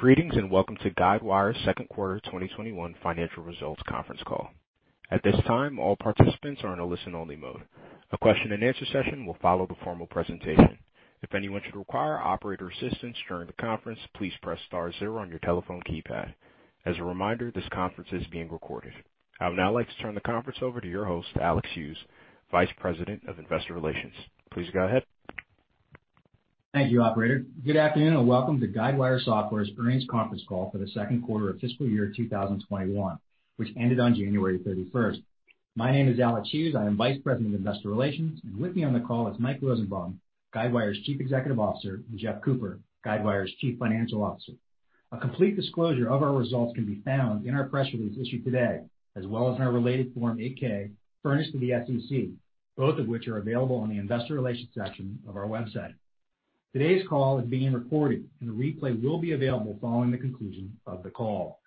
Greetings, and welcome to Guidewire's second quarter 2021 financial results conference call. At this time all participants are in listen only mode. A question and answer session will follow the formal presentation. If anyone requires operator's assistance during the presentation please press star zero on your telephone keypad. As a reminder this conference is being recorded. I would now like to turn the conference over to your host, Alex Hughes, Vice President of Investor Relations. Please go ahead. Thank you, operator. Good afternoon, and welcome to Guidewire Software's earnings conference call for the second quarter of fiscal year 2021, which ended on January 31st. My name is Alex Hughes. I am Vice President of Investor Relations, and with me on the call is Mike Rosenbaum, Guidewire's Chief Executive Officer, and Jeff Cooper, Guidewire's Chief Financial Officer. A complete disclosure of our results can be found in our press release issued today, as well as in our related Form 8-K furnished to the SEC, both of which are available on the investor relations section of our website. Today's call is being recorded, and a replay will be available following the conclusion of the call.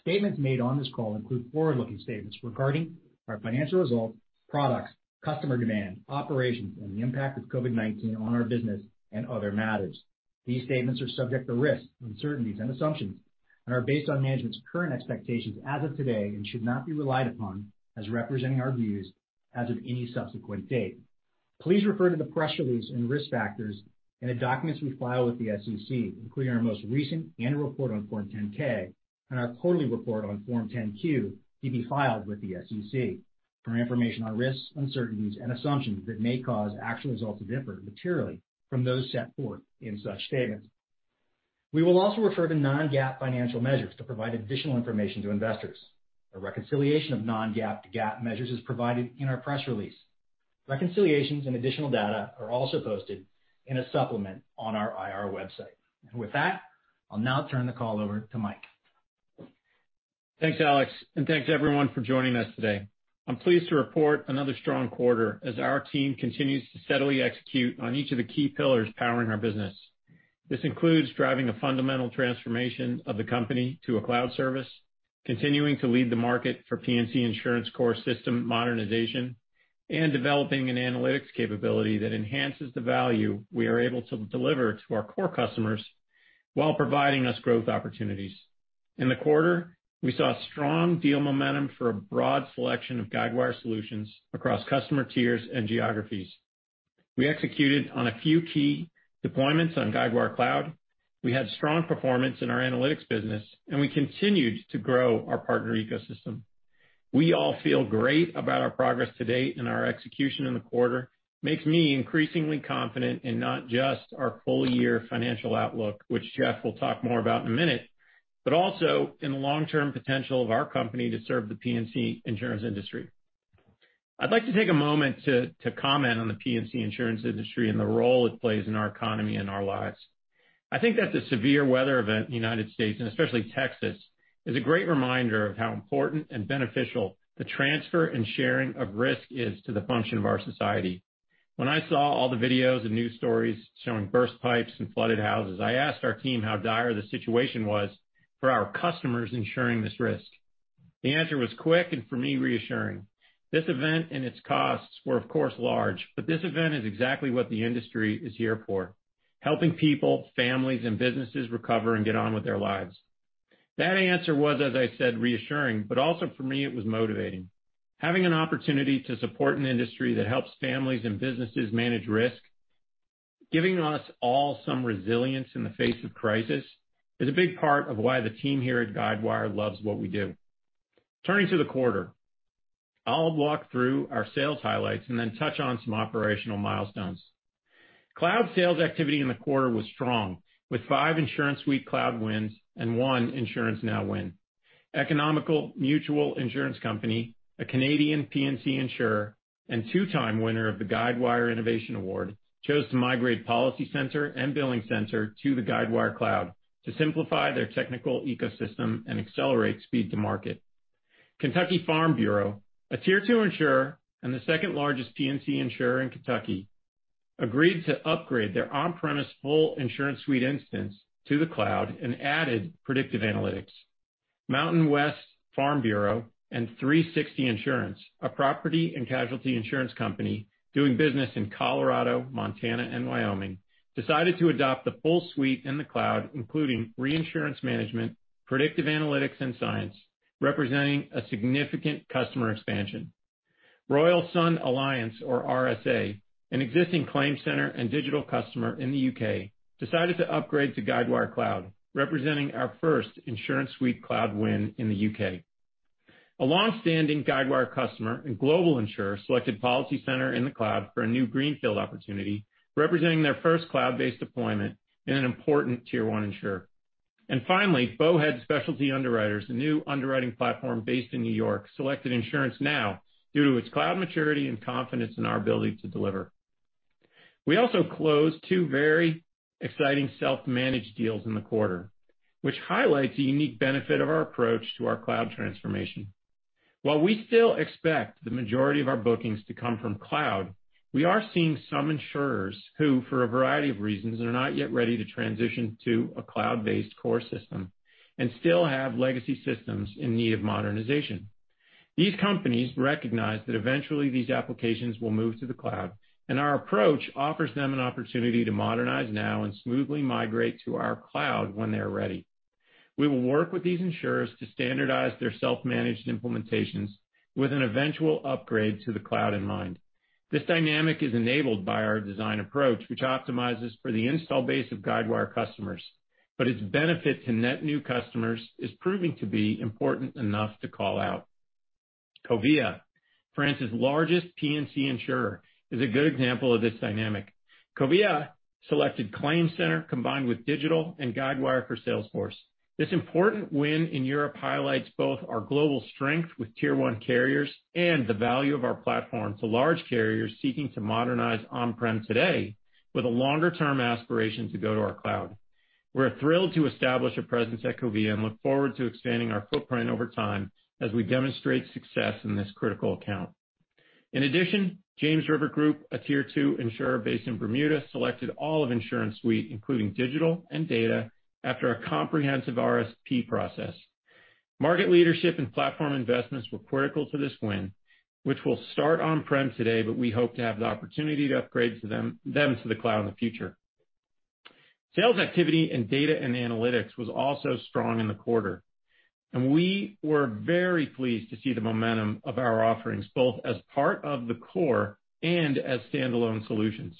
Statements made on this call include forward-looking statements regarding our financial results, products, customer demand, operations, and the impact of COVID-19 on our business and other matters. These statements are subject to risks, uncertainties and assumptions and are based on management's current expectations as of today and should not be relied upon as representing our views as of any subsequent date. Please refer to the press release and risk factors in the documents we file with the SEC, including our most recent annual report on Form 10-K and our quarterly report on Form 10-Q, to be filed with the SEC, for information on risks, uncertainties and assumptions that may cause actual results to differ materially from those set forth in such statements. We will also refer to non-GAAP financial measures to provide additional information to investors. A reconciliation of non-GAAP to GAAP measures is provided in our press release. Reconciliations and additional data are also posted in a supplement on our IR website. With that, I'll now turn the call over to Mike. Thanks, Alex, and thanks everyone for joining us today. I'm pleased to report another strong quarter as our team continues to steadily execute on each of the key pillars powering our business. This includes driving a fundamental transformation of the company to a cloud service, continuing to lead the market for P&C insurance core system modernization, and developing an analytics capability that enhances the value we are able to deliver to our core customers while providing us growth opportunities. In the quarter, we saw strong deal momentum for a broad selection of Guidewire solutions across customer tiers and geographies. We executed on a few key deployments on Guidewire Cloud. We had strong performance in our analytics business, and we continued to grow our partner ecosystem. We all feel great about our progress to date, and our execution in the quarter makes me increasingly confident in not just our full-year financial outlook, which Jeff will talk more about in a minute, but also in the long-term potential of our company to serve the P&C insurance industry. I'd like to take a moment to comment on the P&C insurance industry and the role it plays in our economy and our lives. I think that the severe weather event in the U.S., and especially Texas, is a great reminder of how important and beneficial the transfer and sharing of risk is to the function of our society. When I saw all the videos and news stories showing burst pipes and flooded houses, I asked our team how dire the situation was for our customers insuring this risk. The answer was quick, and for me, reassuring. This event and its costs were, of course, large, but this event is exactly what the industry is here for, helping people, families, and businesses recover and get on with their lives. That answer was, as I said, reassuring, but also for me, it was motivating. Having an opportunity to support an industry that helps families and businesses manage risk, giving us all some resilience in the face of crisis, is a big part of why the team here at Guidewire loves what we do. Turning to the quarter, I'll walk through our sales highlights and then touch on some operational milestones. Cloud sales activity in the quarter was strong, with five InsuranceSuite cloud wins and one InsuranceNow win. Economical Mutual Insurance Company, a Canadian P&C insurer and two-time winner of the Guidewire Innovation Award, chose to migrate PolicyCenter and BillingCenter to the Guidewire Cloud to simplify their technical ecosystem and accelerate speed to market. Kentucky Farm Bureau, a tier 2 insurer and the second-largest P&C insurer in Kentucky, agreed to upgrade their on-premise full InsuranceSuite instance to the cloud and added predictive analytics. Mountain West Farm Bureau and 360 Insurance, a property and casualty insurance company doing business in Colorado, Montana, and Wyoming, decided to adopt the full suite in the cloud, including reinsurance management, predictive analytics, and Cyence, representing a significant customer expansion. Royal SunAlliance, or RSA, an existing ClaimCenter and digital customer in the U.K., decided to upgrade to Guidewire Cloud, representing our first InsuranceSuite cloud win in the U.K. A longstanding Guidewire customer and global insurer selected PolicyCenter in the cloud for a new greenfield opportunity, representing their first cloud-based deployment and an important tier 1 insurer. Finally, Bowhead Specialty Underwriters, a new underwriting platform based in New York, selected InsuranceNow due to its cloud maturity and confidence in our ability to deliver. We also closed two very exciting self-managed deals in the quarter, which highlights the unique benefit of our approach to our cloud transformation. While we still expect the majority of our bookings to come from Cloud, we are seeing some insurers who, for a variety of reasons, are not yet ready to transition to a Cloud-based core system and still have legacy systems in need of modernization. These companies recognize that eventually these applications will move to the Cloud, and our approach offers them an opportunity to modernize now and smoothly migrate to our Cloud when they're ready. We will work with these insurers to standardize their self-managed implementations with an eventual upgrade to the Cloud in mind. This dynamic is enabled by our design approach, which optimizes for the install base of Guidewire customers, but its benefit to net new customers is proving to be important enough to call out. Covéa, France's largest P&C insurer, is a good example of this dynamic. Covéa selected ClaimCenter combined with Digital and Guidewire for Salesforce. This important win in Europe highlights both our global strength with tier 1 carriers and the value of our platform to large carriers seeking to modernize on-prem today with a longer-term aspiration to go to our Cloud. We're thrilled to establish a presence at Covéa and look forward to expanding our footprint over time as we demonstrate success in this critical account. In addition, James River Group, a tier 2 insurer based in Bermuda, selected all of InsuranceSuite, including Digital and Data, after a comprehensive RFP process. Market leadership and platform investments were critical to this win, which will start on-prem today, but we hope to have the opportunity to upgrade them to the Cloud in the future. Sales activity and data and analytics was also strong in the quarter, and we were very pleased to see the momentum of our offerings, both as part of the core and as standalone solutions.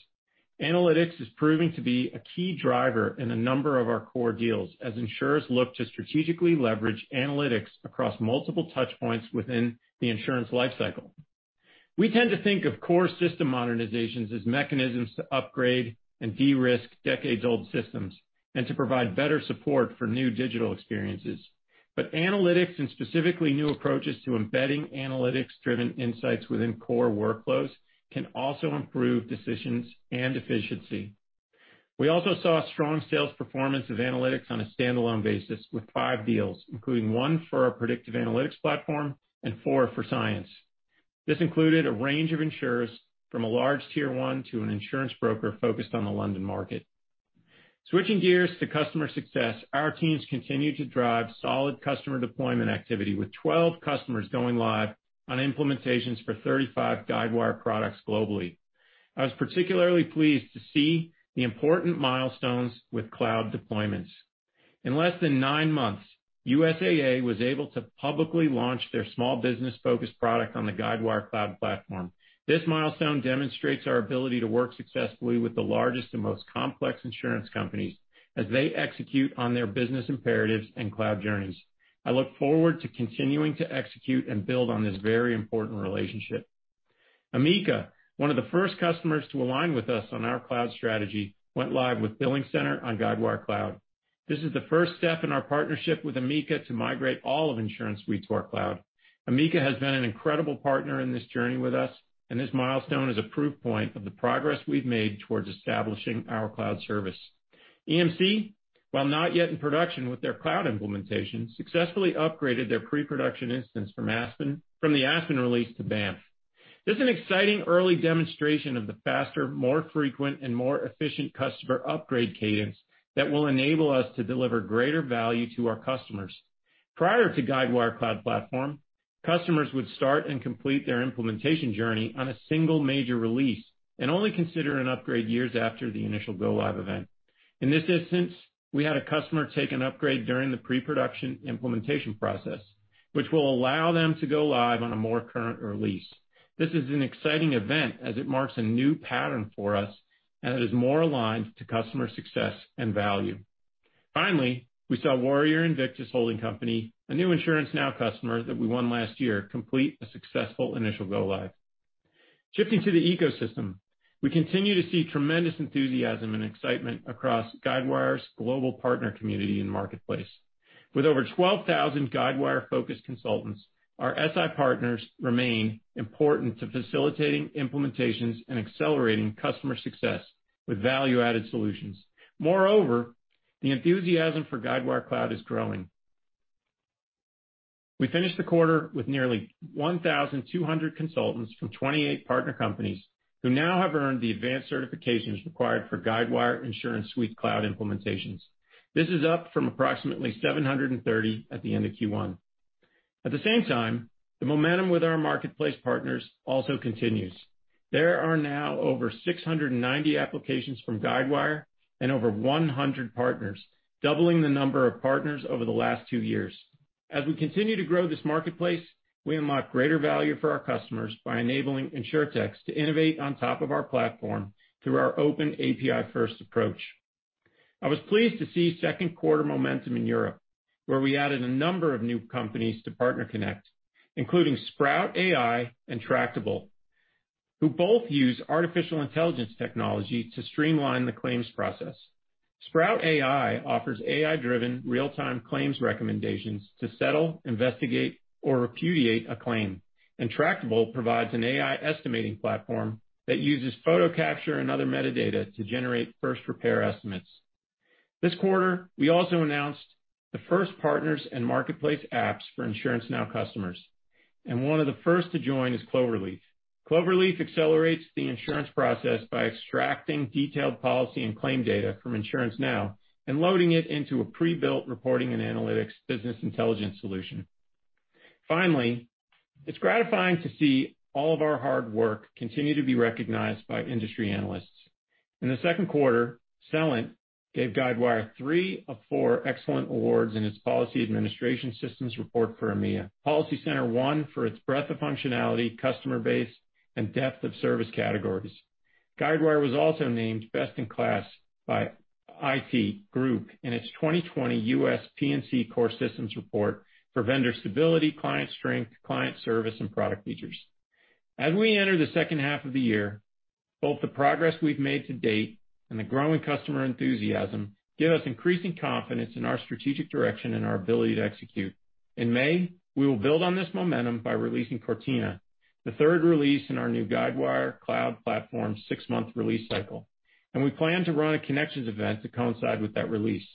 Analytics is proving to be a key driver in a number of our core deals as insurers look to strategically leverage analytics across multiple touch points within the insurance lifecycle. Analytics and specifically new approaches to embedding analytics-driven insights within core workflows can also improve decisions and efficiency. We also saw strong sales performance of analytics on a standalone basis with five deals, including one for our predictive analytics platform and four for Cyence. This included a range of insurers from a large tier 1 to an insurance broker focused on the London market. Switching gears to customer success, our teams continue to drive solid customer deployment activity with 12 customers going live on implementations for 35 Guidewire products globally. I was particularly pleased to see the important milestones with cloud deployments. In less than nine months, USAA was able to publicly launch their small business-focused product on the Guidewire Cloud Platform. This milestone demonstrates our ability to work successfully with the largest and most complex insurance companies as they execute on their business imperatives and cloud journeys. I look forward to continuing to execute and build on this very important relationship. Amica, one of the first customers to align with us on our cloud strategy, went live with BillingCenter on Guidewire Cloud. This is the first step in our partnership with Amica to migrate all of InsuranceSuite to our cloud. Amica has been an incredible partner in this journey with us, and this milestone is a proof point of the progress we've made towards establishing our cloud service. EMC, while not yet in production with their cloud implementation, successfully upgraded their pre-production instance from the Aspen release to Banff. This is an exciting early demonstration of the faster, more frequent, and more efficient customer upgrade cadence that will enable us to deliver greater value to our customers. Prior to Guidewire Cloud Platform, customers would start and complete their implementation journey on a single major release and only consider an upgrade years after the initial go-live event. In this instance, we had a customer take an upgrade during the pre-production implementation process, which will allow them to go live on a more current release. This is an exciting event as it marks a new pattern for us and it is more aligned to customer success and value. Finally, we saw Warrior Invictus Holding Company, a new InsuranceNow customer that we won last year, complete a successful initial go-live. Shifting to the ecosystem, we continue to see tremendous enthusiasm and excitement across Guidewire's global partner community and marketplace. With over 12,000 Guidewire-focused consultants, our SI partners remain important to facilitating implementations and accelerating customer success with value-added solutions. The enthusiasm for Guidewire Cloud is growing. We finished the quarter with nearly 1,200 consultants from 28 partner companies who now have earned the advanced certifications required for Guidewire InsuranceSuite Cloud implementations. This is up from approximately 730 at the end of Q1. At the same time, the momentum with our marketplace partners also continues. There are now over 690 applications from Guidewire and over 100 partners, doubling the number of partners over the last two years. As we continue to grow this marketplace, we unlock greater value for our customers by enabling insurtechs to innovate on top of our platform through our open API-first approach. I was pleased to see second quarter momentum in Europe, where we added a number of new companies to PartnerConnect, including Sprout.ai and Tractable, who both use artificial intelligence technology to streamline the claims process. Sprout.ai offers AI-driven real-time claims recommendations to settle, investigate, or repudiate a claim, and Tractable provides an AI estimating platform that uses photo capture and other metadata to generate first repair estimates. This quarter, we also announced the first partners and marketplace apps for InsuranceNow customers, and one of the first to join is Cloverleaf. Cloverleaf accelerates the insurance process by extracting detailed policy and claim data from InsuranceNow and loading it into a pre-built reporting and analytics business intelligence solution. Finally, it's gratifying to see all of our hard work continue to be recognized by industry analysts. In the second quarter, Celent gave Guidewire three of four excellent awards in its Policy Administration Systems report for EMEA. PolicyCenter won for its breadth of functionality, customer base, and depth of service categories. Guidewire was also named best in class by Aite-Novarica Group in its 2020 U.S. P&C Core Systems report for vendor stability, client strength, client service, and product features. As we enter the second half of the year, both the progress we've made to date and the growing customer enthusiasm give us increasing confidence in our strategic direction and our ability to execute. In May, we will build on this momentum by releasing Cortina, the third release in our new Guidewire Cloud Platform six-month release cycle, and we plan to run a Connections event to coincide with that release.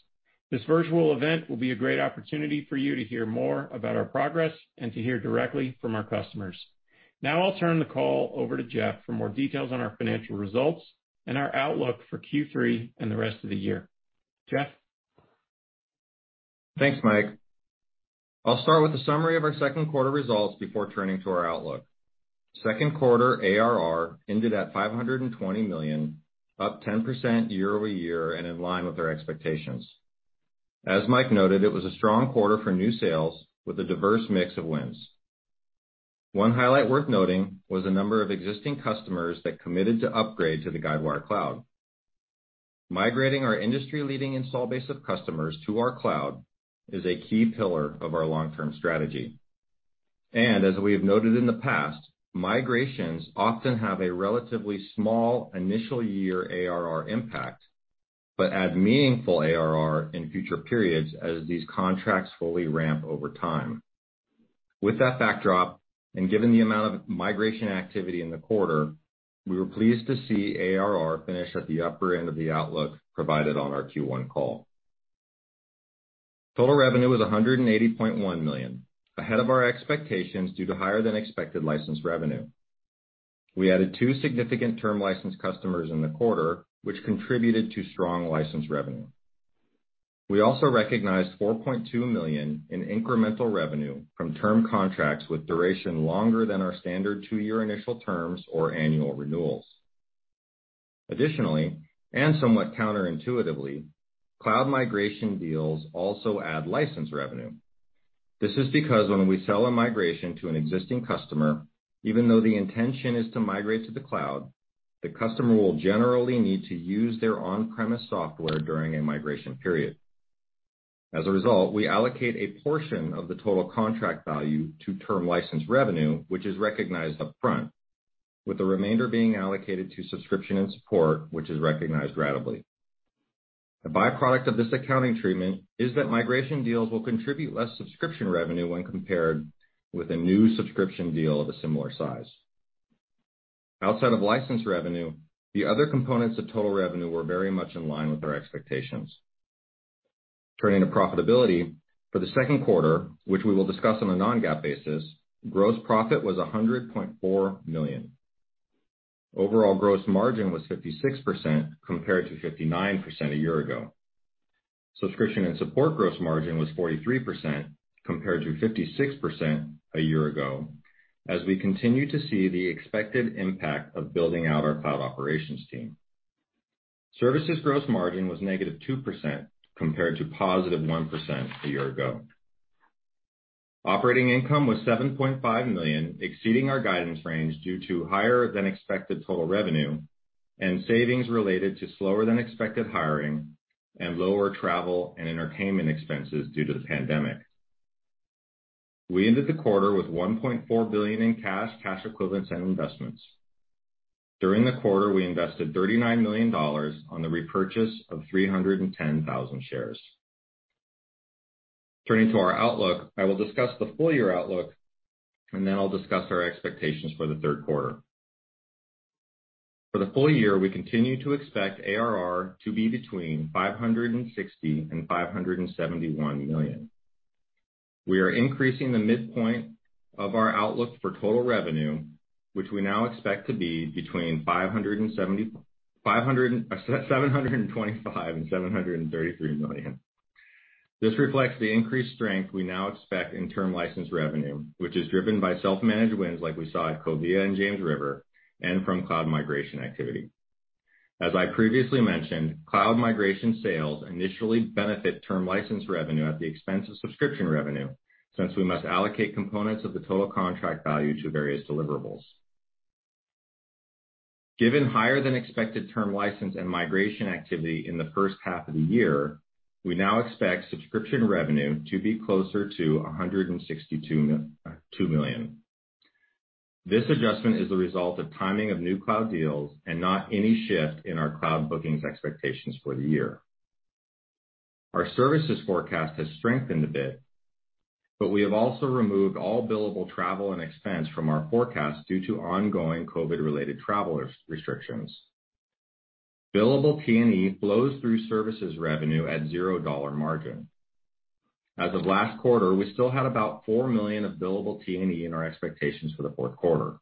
This virtual event will be a great opportunity for you to hear more about our progress and to hear directly from our customers. Now I'll turn the call over to Jeff for more details on our financial results and our outlook for Q3 and the rest of the year. Jeff? Thanks, Mike. I'll start with a summary of our second quarter results before turning to our outlook. Second quarter ARR ended at $520 million, up 10% year-over-year and in line with our expectations. As Mike noted, it was a strong quarter for new sales with a diverse mix of wins. One highlight worth noting was the number of existing customers that committed to upgrade to the Guidewire Cloud. Migrating our industry-leading install base of customers to our cloud is a key pillar of our long-term strategy. As we have noted in the past, migrations often have a relatively small initial year ARR impact, but add meaningful ARR in future periods as these contracts fully ramp over time. With that backdrop, given the amount of migration activity in the quarter, we were pleased to see ARR finish at the upper end of the outlook provided on our Q1 call. Total revenue was $180.1 million, ahead of our expectations due to higher-than-expected license revenue. We added two significant term license customers in the quarter, which contributed to strong license revenue. We also recognized $4.2 million in incremental revenue from term contracts with duration longer than our standard two-year initial terms or annual renewals. Additionally, somewhat counterintuitively, cloud migration deals also add license revenue. This is because when we sell a migration to an existing customer, even though the intention is to migrate to the cloud, the customer will generally need to use their on-premise software during a migration period. As a result, we allocate a portion of the total contract value to term license revenue, which is recognized upfront, with the remainder being allocated to subscription and support, which is recognized ratably. A byproduct of this accounting treatment is that migration deals will contribute less subscription revenue when compared with a new subscription deal of a similar size. Outside of license revenue, the other components of total revenue were very much in line with our expectations. Turning to profitability, for the second quarter, which we will discuss on a non-GAAP basis, gross profit was $100.4 million. Overall gross margin was 56%, compared to 59% a year ago. Subscription and support gross margin was 43%, compared to 56% a year ago, as we continue to see the expected impact of building out our cloud operations team. Services gross margin was negative 2%, compared to positive 1% a year ago. Operating income was $7.5 million, exceeding our guidance range due to higher-than-expected total revenue and savings related to slower-than-expected hiring and lower travel and entertainment expenses due to the pandemic. We ended the quarter with $1.4 billion in cash equivalents, and investments. During the quarter, we invested $39 million on the repurchase of 310,000 shares. Turning to our outlook, I will discuss the full-year outlook, and then I'll discuss our expectations for the third quarter. For the full year, we continue to expect ARR to be between $560 million and $571 million. We are increasing the midpoint of our outlook for total revenue, which we now expect to be between $725 million and $733 million. This reflects the increased strength we now expect in term license revenue, which is driven by self-managed wins like we saw at Covéa and James River and from cloud migration activity. As I previously mentioned, cloud migration sales initially benefit term license revenue at the expense of subscription revenue, since we must allocate components of the total contract value to various deliverables. Given higher-than-expected term license and migration activity in the first half of the year, we now expect subscription revenue to be closer to $162 million. This adjustment is the result of timing of new cloud deals and not any shift in our cloud bookings expectations for the year. Our services forecast has strengthened a bit, but we have also removed all billable travel and expense from our forecast due to ongoing COVID-related travel restrictions. Billable T&E flows through services revenue at $0 margin. As of last quarter, we still had about $4 million of billable T&E in our expectations for the fourth quarter.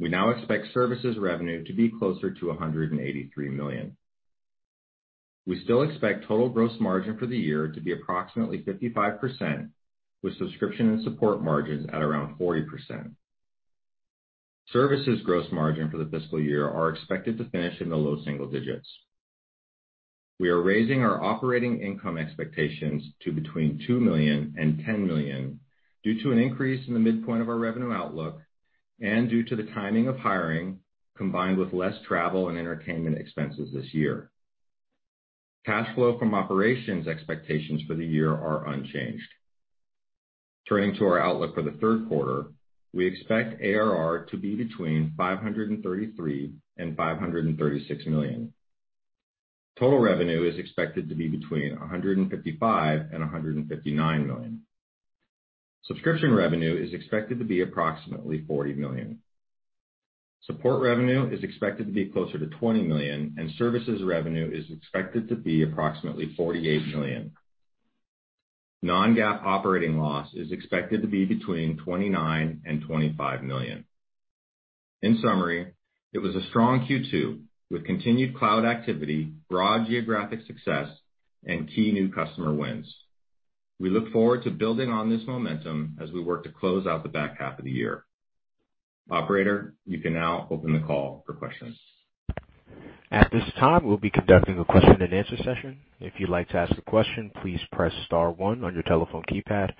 We now expect services revenue to be closer to $183 million. We still expect total gross margin for the year to be approximately 55%, with subscription and support margins at around 40%. Services gross margin for the fiscal year are expected to finish in the low single digits. We are raising our operating income expectations to between $2 million and $10 million due to an increase in the midpoint of our revenue outlook and due to the timing of hiring, combined with less travel and entertainment expenses this year. Cash flow from operations expectations for the year are unchanged. Turning to our outlook for the third quarter, we expect ARR to be between $533 million and $536 million. Total revenue is expected to be between $155 million and $159 million. Subscription revenue is expected to be approximately $40 million. Support revenue is expected to be closer to $20 million, and services revenue is expected to be approximately $48 million. Non-GAAP operating loss is expected to be between $29 million and $25 million. In summary, it was a strong Q2 with continued cloud activity, broad geographic success, and key new customer wins. We look forward to building on this momentum as we work to close out the back half of the year. Operator, you can now open the call for questions. At this time we'll be conducting the question and answer session, if you would like to ask a question please press star one on your telephone keypad,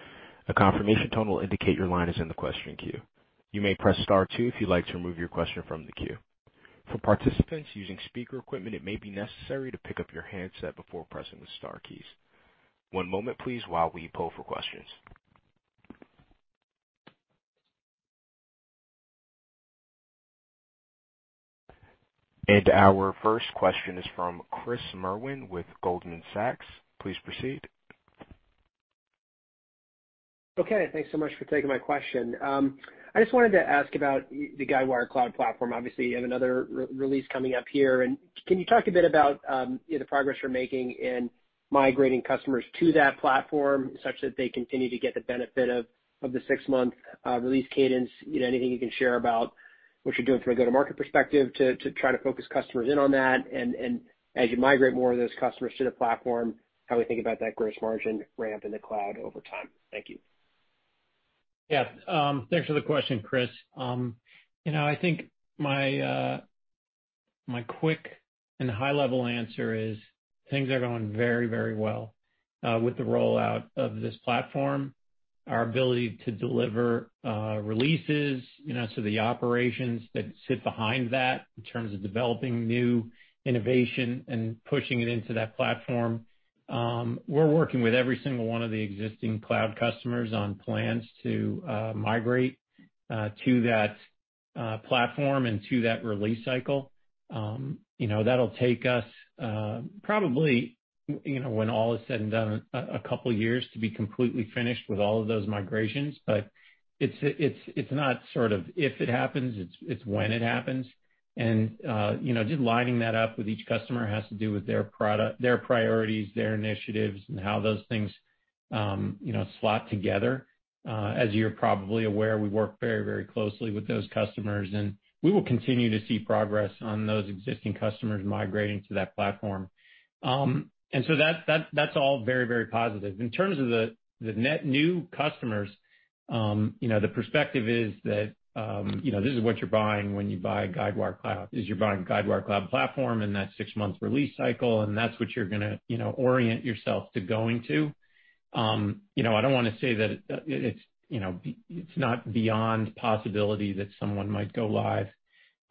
a confirmation tone will indicate you line is in the question queue. You may press star two if you like to remove your question from the queue. For participants using speaker equipment it may be necessary to pick up your headset before pressing the star keys. On moment please while we blow for questions. Our first question is from Chris Merwin with Goldman Sachs. Please proceed. Okay. Thanks so much for taking my question. I just wanted to ask about the Guidewire Cloud Platform. Obviously, you have another release coming up here. Can you talk a bit about the progress you're making in migrating customers to that platform such that they continue to get the benefit of the six-month release cadence? Anything you can share about what you're doing from a go-to-market perspective to try to focus customers in on that and as you migrate more of those customers to the platform, how we think about that gross margin ramp in the cloud over time. Thank you. Thanks for the question, Chris. I think my quick and high-level answer is things are going very well with the rollout of this platform, our ability to deliver releases, so the operations that sit behind that in terms of developing new innovation and pushing it into that platform. We're working with every single one of the existing Cloud customers on plans to migrate to that platform and to that release cycle. That'll take us probably, when all is said and done, a couple of years to be completely finished with all of those migrations. It's not sort of if it happens, it's when it happens. Just lining that up with each customer has to do with their priorities, their initiatives, and how those things slot together. As you're probably aware, we work very closely with those customers, and we will continue to see progress on those existing customers migrating to that platform. That's all very positive. In terms of the net new customers, the perspective is that this is what you're buying when you buy Guidewire Cloud, is you're buying Guidewire Cloud Platform and that 6 months release cycle, and that's what you're going to orient yourself to going to. I don't want to say that it's not beyond possibility that someone might go live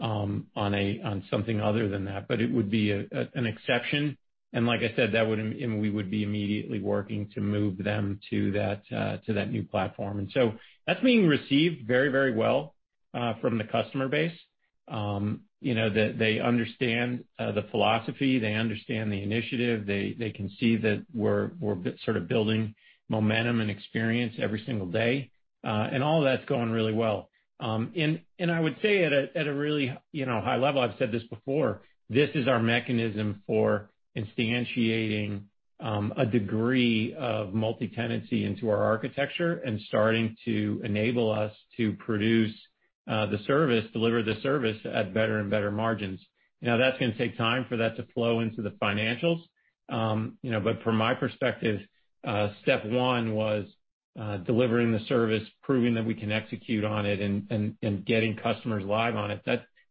on something other than that, but it would be an exception. Like I said, we would be immediately working to move them to that new platform. That's being received very well from the customer base. They understand the philosophy, they understand the initiative. They can see that we're sort of building momentum and experience every single day. All of that's going really well. I would say at a really high level, I've said this before, this is our mechanism for instantiating a degree of multi-tenancy into our architecture and starting to enable us to produce the service, deliver the service at better and better margins. Now, that's going to take time for that to flow into the financials. From my perspective, step one was delivering the service, proving that we can execute on it, and getting customers live on it.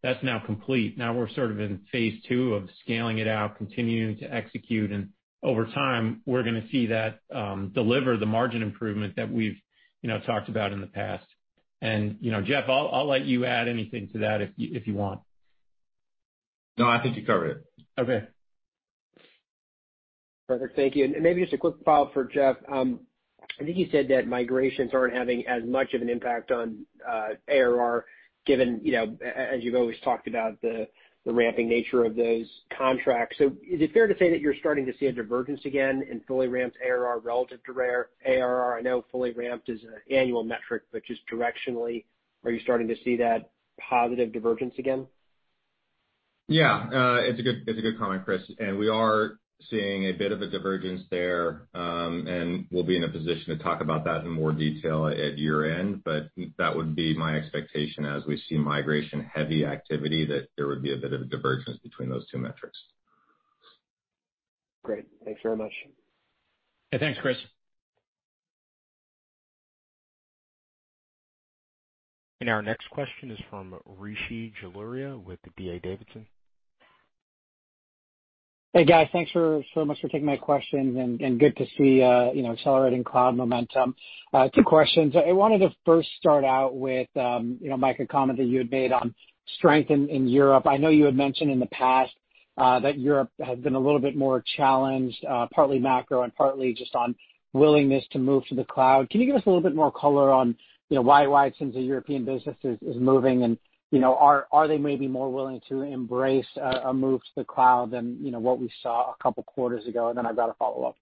That's now complete. Now we're sort of in phase two of scaling it out, continuing to execute, and over time, we're going to see that deliver the margin improvement that we've talked about in the past. Jeff, I'll let you add anything to that if you want. No, I think you covered it. Okay. Perfect. Thank you. Maybe just a quick follow-up for Jeff. I think you said that migrations aren't having as much of an impact on ARR given, as you've always talked about the ramping nature of those contracts. Is it fair to say that you're starting to see a divergence again in fully ramped ARR relative to unramped ARR? I know fully ramped is an annual metric, but just directionally, are you starting to see that positive divergence again? Yeah, it's a good comment, Chris. We are seeing a bit of a divergence there, and we'll be in a position to talk about that in more detail at year-end. That would be my expectation as we see migration-heavy activity, that there would be a bit of a divergence between those two metrics. Great. Thanks very much. Thanks, Chris. Our next question is from Rishi Jaluria with D.A. Davidson. Hey, guys. Thanks so much for taking my questions, and good to see accelerating cloud momentum. Two questions. I wanted to first start out with Mike, a comment that you had made on strength in Europe. I know you had mentioned in the past that Europe has been a little bit more challenged, partly macro and partly just on willingness to move to the cloud. Can you give us a little bit more color on why it seems the European business is moving? Are they maybe more willing to embrace a move to the cloud than what we saw a couple quarters ago? I've got a follow-up.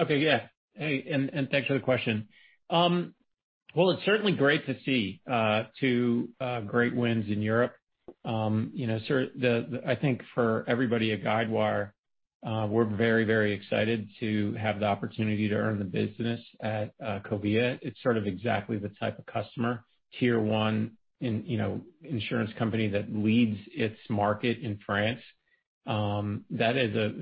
Okay, yeah. Hey, and thanks for the question. Well, it's certainly great to see two great wins in Europe. I think for everybody at Guidewire, we're very excited to have the opportunity to earn the business at Covéa. It's sort of exactly the type of customer, tier 1 insurance company that leads its market in France. That is a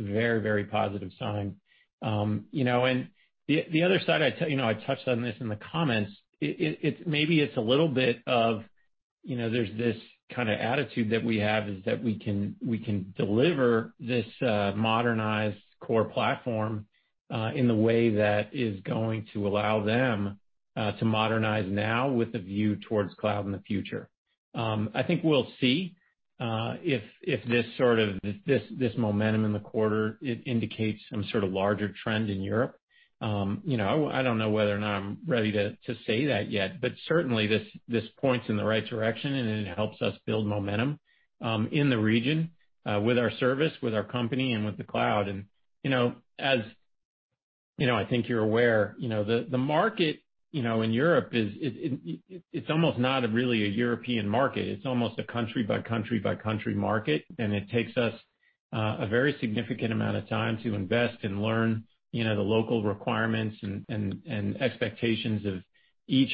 very positive sign. The other side, I touched on this in the comments. Maybe it's a little bit of there's this kind of attitude that we have is that we can deliver this modernized core platform in the way that is going to allow them to modernize now with a view towards cloud in the future. I think we'll see if this momentum in the quarter indicates some sort of larger trend in Europe. I don't know whether or not I'm ready to say that yet. Certainly this points in the right direction, and it helps us build momentum in the region with our service, with our company, and with the cloud. As I think you're aware, the market in Europe it's almost not really a European market. It's almost a country by country by country market, and it takes us a very significant amount of time to invest and learn the local requirements and expectations of each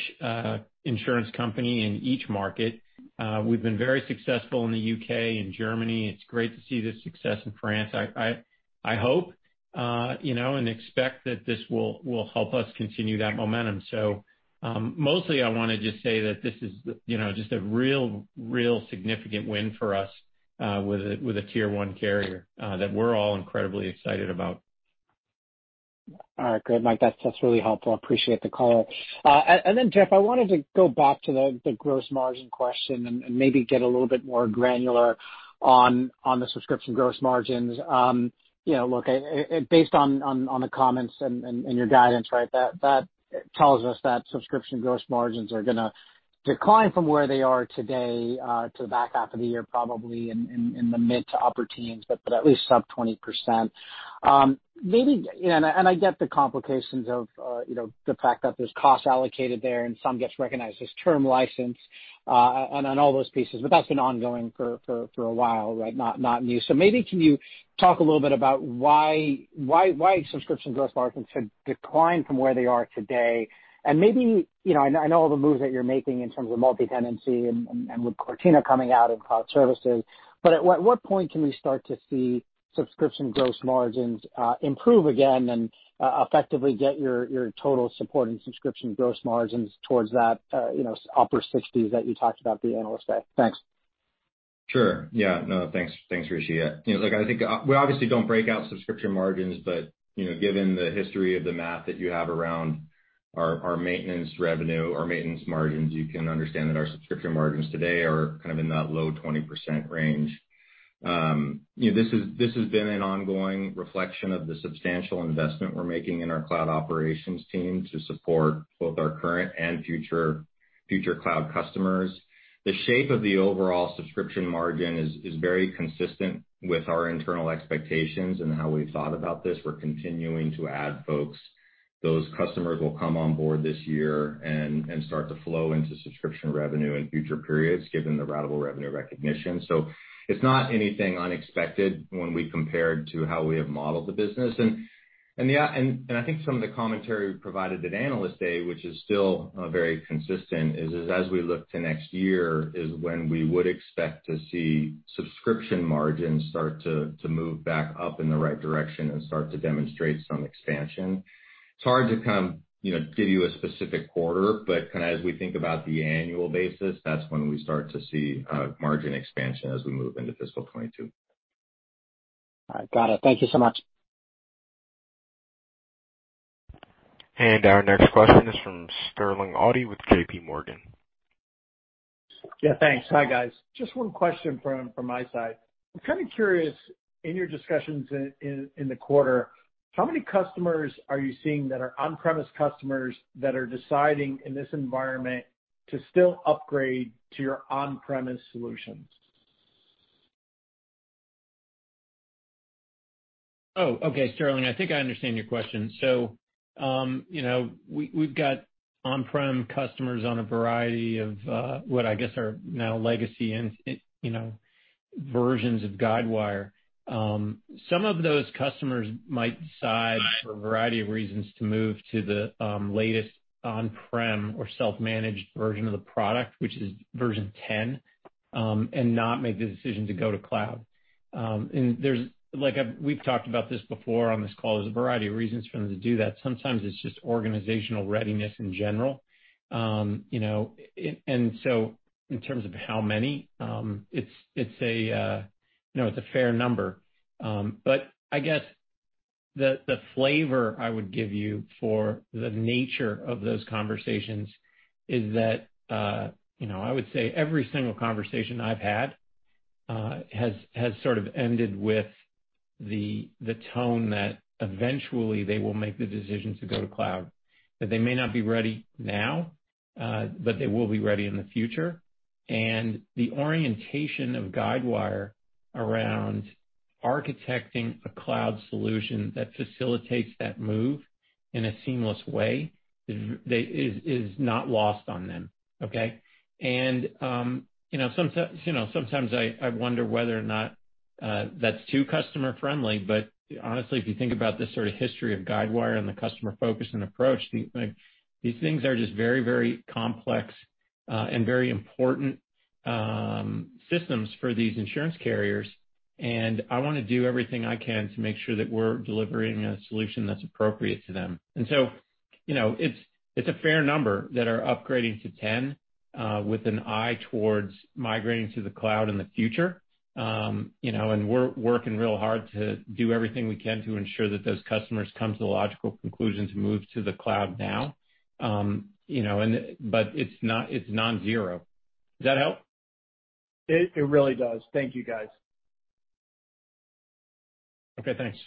insurance company in each market. We've been very successful in the U.K. and Germany. It's great to see the success in France. I hope and expect that this will help us continue that momentum. Mostly, I want to just say that this is just a real significant win for us with a tier 1 carrier that we're all incredibly excited about. All right, great, Mike. That's really helpful. Appreciate the color. Then, Jeff, I wanted to go back to the gross margin question and maybe get a little bit more granular on the subscription gross margins. Look, based on the comments and your guidance, that tells us that subscription gross margins are going to decline from where they are today to the back half of the year, probably in the mid to upper teens, but at least sub 20%. I get the complications of the fact that there's cost allocated there and some gets recognized as term license on all those pieces, but that's been ongoing for a while. Not new. Maybe can you talk a little bit about why subscription gross margins should decline from where they are today? I know all the moves that you're making in terms of multi-tenancy and with Cortina coming out in cloud services. At what point can we start to see subscription gross margins improve again and effectively get your total support and subscription gross margins towards that upper 60s that you talked about at the Analyst Day? Thanks. Sure. Yeah. No, thanks, Rishi. We obviously don't break out subscription margins, but given the history of the math that you have around our maintenance revenue, our maintenance margins, you can understand that our subscription margins today are kind of in that low 20% range. This has been an ongoing reflection of the substantial investment we're making in our cloud operations team to support both our current and future cloud customers. The shape of the overall subscription margin is very consistent with our internal expectations and how we've thought about this. We're continuing to add folks. Those customers will come on board this year and start to flow into subscription revenue in future periods, given the ratable revenue recognition. It's not anything unexpected when we compared to how we have modeled the business. I think some of the commentary we provided at Analyst Day, which is still very consistent, is as we look to next year is when we would expect to see subscription margins start to move back up in the right direction and start to demonstrate some expansion. It's hard to give you a specific quarter, but as we think about the annual basis, that's when we start to see margin expansion as we move into fiscal 2022. All right. Got it. Thank you so much. Our next question is from Sterling Auty with JP Morgan. Yeah, thanks. Hi, guys. Just one question from my side. I'm kind of curious, in your discussions in the quarter, how many customers are you seeing that are on-premise customers that are deciding in this environment to still upgrade to your on-premise solutions? Okay, Sterling. I think I understand your question. We've got on-prem customers on a variety of what I guess are now legacy versions of Guidewire. Some of those customers might decide, for a variety of reasons, to move to the latest on-prem or self-managed version of the product, which is version 10, and not make the decision to go to cloud. We've talked about this before on this call, there's a variety of reasons for them to do that. Sometimes it's just organizational readiness in general. In terms of how many, it's a fair number. I guess the flavor I would give you for the nature of those conversations is that, I would say every single conversation I've had has sort of ended with the tone that eventually they will make the decision to go to cloud. That they may not be ready now, but they will be ready in the future. The orientation of Guidewire around architecting a cloud solution that facilitates that move in a seamless way is not lost on them. Okay. Sometimes I wonder whether or not that's too customer friendly. Honestly, if you think about the sort of history of Guidewire and the customer focus and approach, these things are just very complex and very important systems for these insurance carriers. I want to do everything I can to make sure that we're delivering a solution that's appropriate to them. It's a fair number that are upgrading to 10 with an eye towards migrating to the cloud in the future. We're working real hard to do everything we can to ensure that those customers come to the logical conclusion to move to the cloud now. It's non-zero. Does that help? It really does. Thank you guys. Okay, thanks.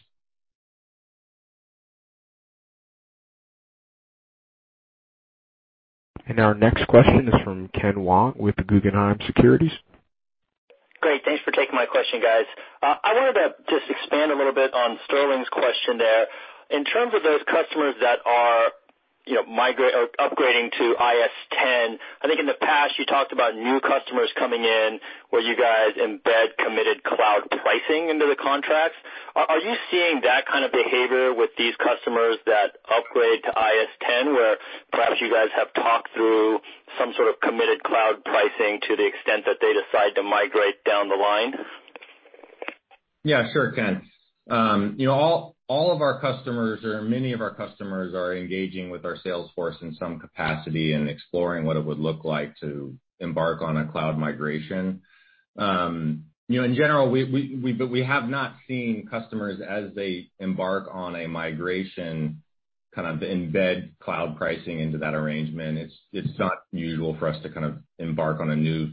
Our next question is from Ken Wong with the Guggenheim Securities. Great, thanks for taking my question, guys. I wanted to just expand a little bit on Sterling's question there. In terms of those customers that are upgrading to InsuranceSuite 10, I think in the past you talked about new customers coming in where you guys embed committed cloud pricing into the contracts. Are you seeing that kind of behavior with these customers that upgrade to InsuranceSuite 10, where perhaps you guys have talked through some sort of committed cloud pricing to the extent that they decide to migrate down the line? Yeah, sure, Ken. All of our customers or many of our customers are engaging with our sales force in some capacity and exploring what it would look like to embark on a cloud migration. In general, we have not seen customers as they embark on a migration kind of embed cloud pricing into that arrangement. It's not usual for us to kind of embark on a new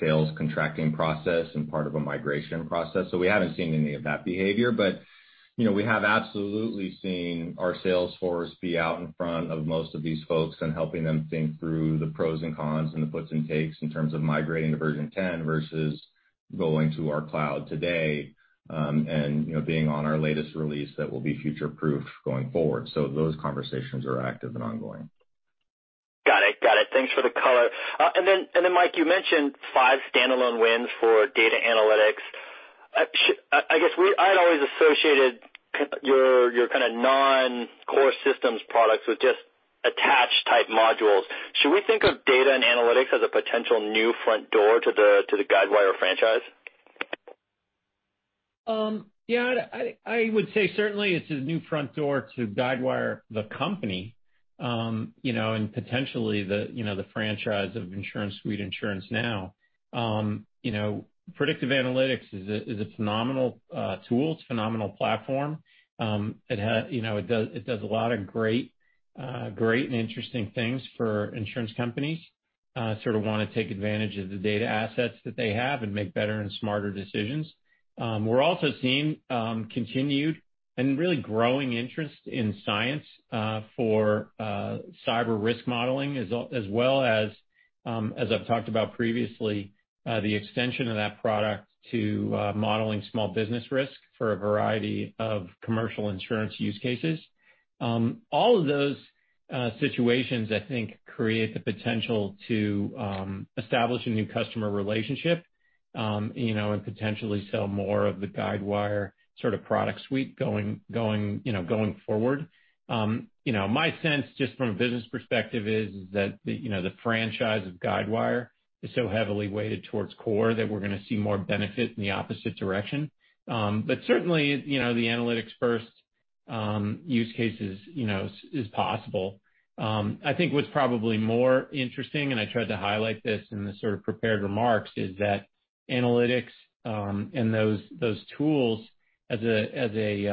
sales contracting process and part of a migration process. We haven't seen any of that behavior. We have absolutely seen our sales force be out in front of most of these folks and helping them think through the pros and cons and the puts and takes in terms of migrating to version 10 versus going to our cloud today. Being on our latest release that will be future-proof going forward. Those conversations are active and ongoing. Got it. Thanks for the color. Mike, you mentioned five standalone wins for data analytics. I guess I'd always associated your kind of non-core systems products with just attached type modules. Should we think of data and analytics as a potential new front door to the Guidewire franchise? Yeah, I would say certainly it's a new front door to Guidewire, the company, and potentially the franchise of InsuranceSuite, InsuranceNow. Predictive analytics is a phenomenal tool. It's a phenomenal platform. It does a lot of great and interesting things for insurance companies sort of want to take advantage of the data assets that they have and make better and smarter decisions. We're also seeing continued and really growing interest in Cyence for cyber risk modeling as well as I've talked about previously, the extension of that product to modeling small business risk for a variety of commercial insurance use cases. All of those situations, I think, create the potential to establish a new customer relationship, and potentially sell more of the Guidewire sort of product suite going forward. My sense just from a business perspective is that the franchise of Guidewire is so heavily weighted towards core that we're going to see more benefit in the opposite direction. Certainly, the analytics first use case is possible. I think what's probably more interesting, and I tried to highlight this in the sort of prepared remarks, is that analytics, and those tools as a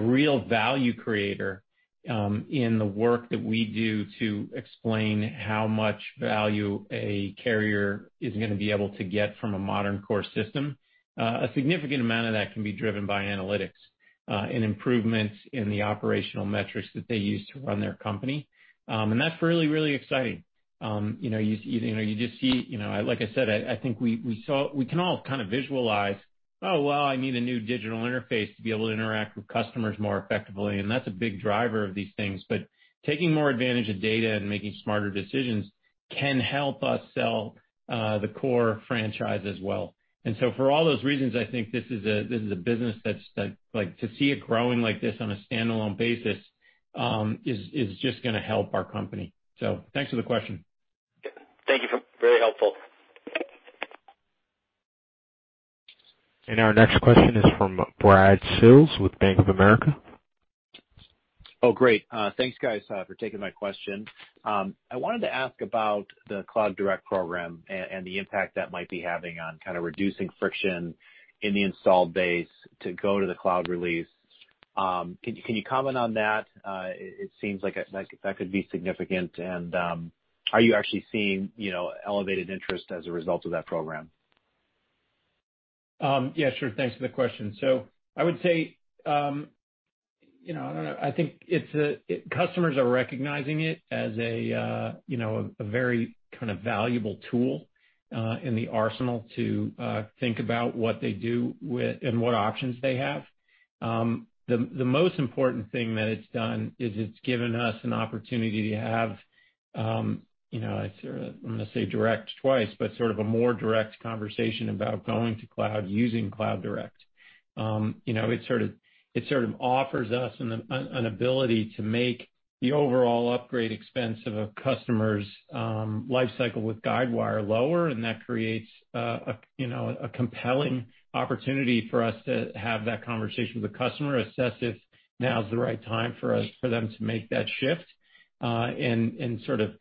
real value creator in the work that we do to explain how much value a carrier is going to be able to get from a modern core system. A significant amount of that can be driven by analytics and improvements in the operational metrics that they use to run their company. That's really exciting. Like I said, I think we can all kind of visualize, oh, well, I need a new digital interface to be able to interact with customers more effectively, that's a big driver of these things. Taking more advantage of data and making smarter decisions can help us sell the core franchise as well. For all those reasons, I think this is a business that, to see it growing like this on a standalone basis, is just going to help our company. Thanks for the question. Thank you. Very helpful. Our next question is from Brad Sills with Bank of America. Oh, great. Thanks, guys, for taking my question. I wanted to ask about the CloudDirect program and the impact that might be having on kind of reducing friction in the installed base to go to the cloud release. Can you comment on that? It seems like that could be significant, and are you actually seeing elevated interest as a result of that program? Yeah, sure. Thanks for the question. I would say, I think customers are recognizing it as a very kind of valuable tool, in the arsenal to think about what they do and what options they have. The most important thing that it's done is it's given us an opportunity to have, I'm going to say direct twice, but sort of a more direct conversation about going to Cloud using CloudDirect. It sort of offers us an ability to make the overall upgrade expense of a customer's lifecycle with Guidewire lower, and that creates a compelling opportunity for us to have that conversation with a customer, assess if now is the right time for them to make that shift, and sort of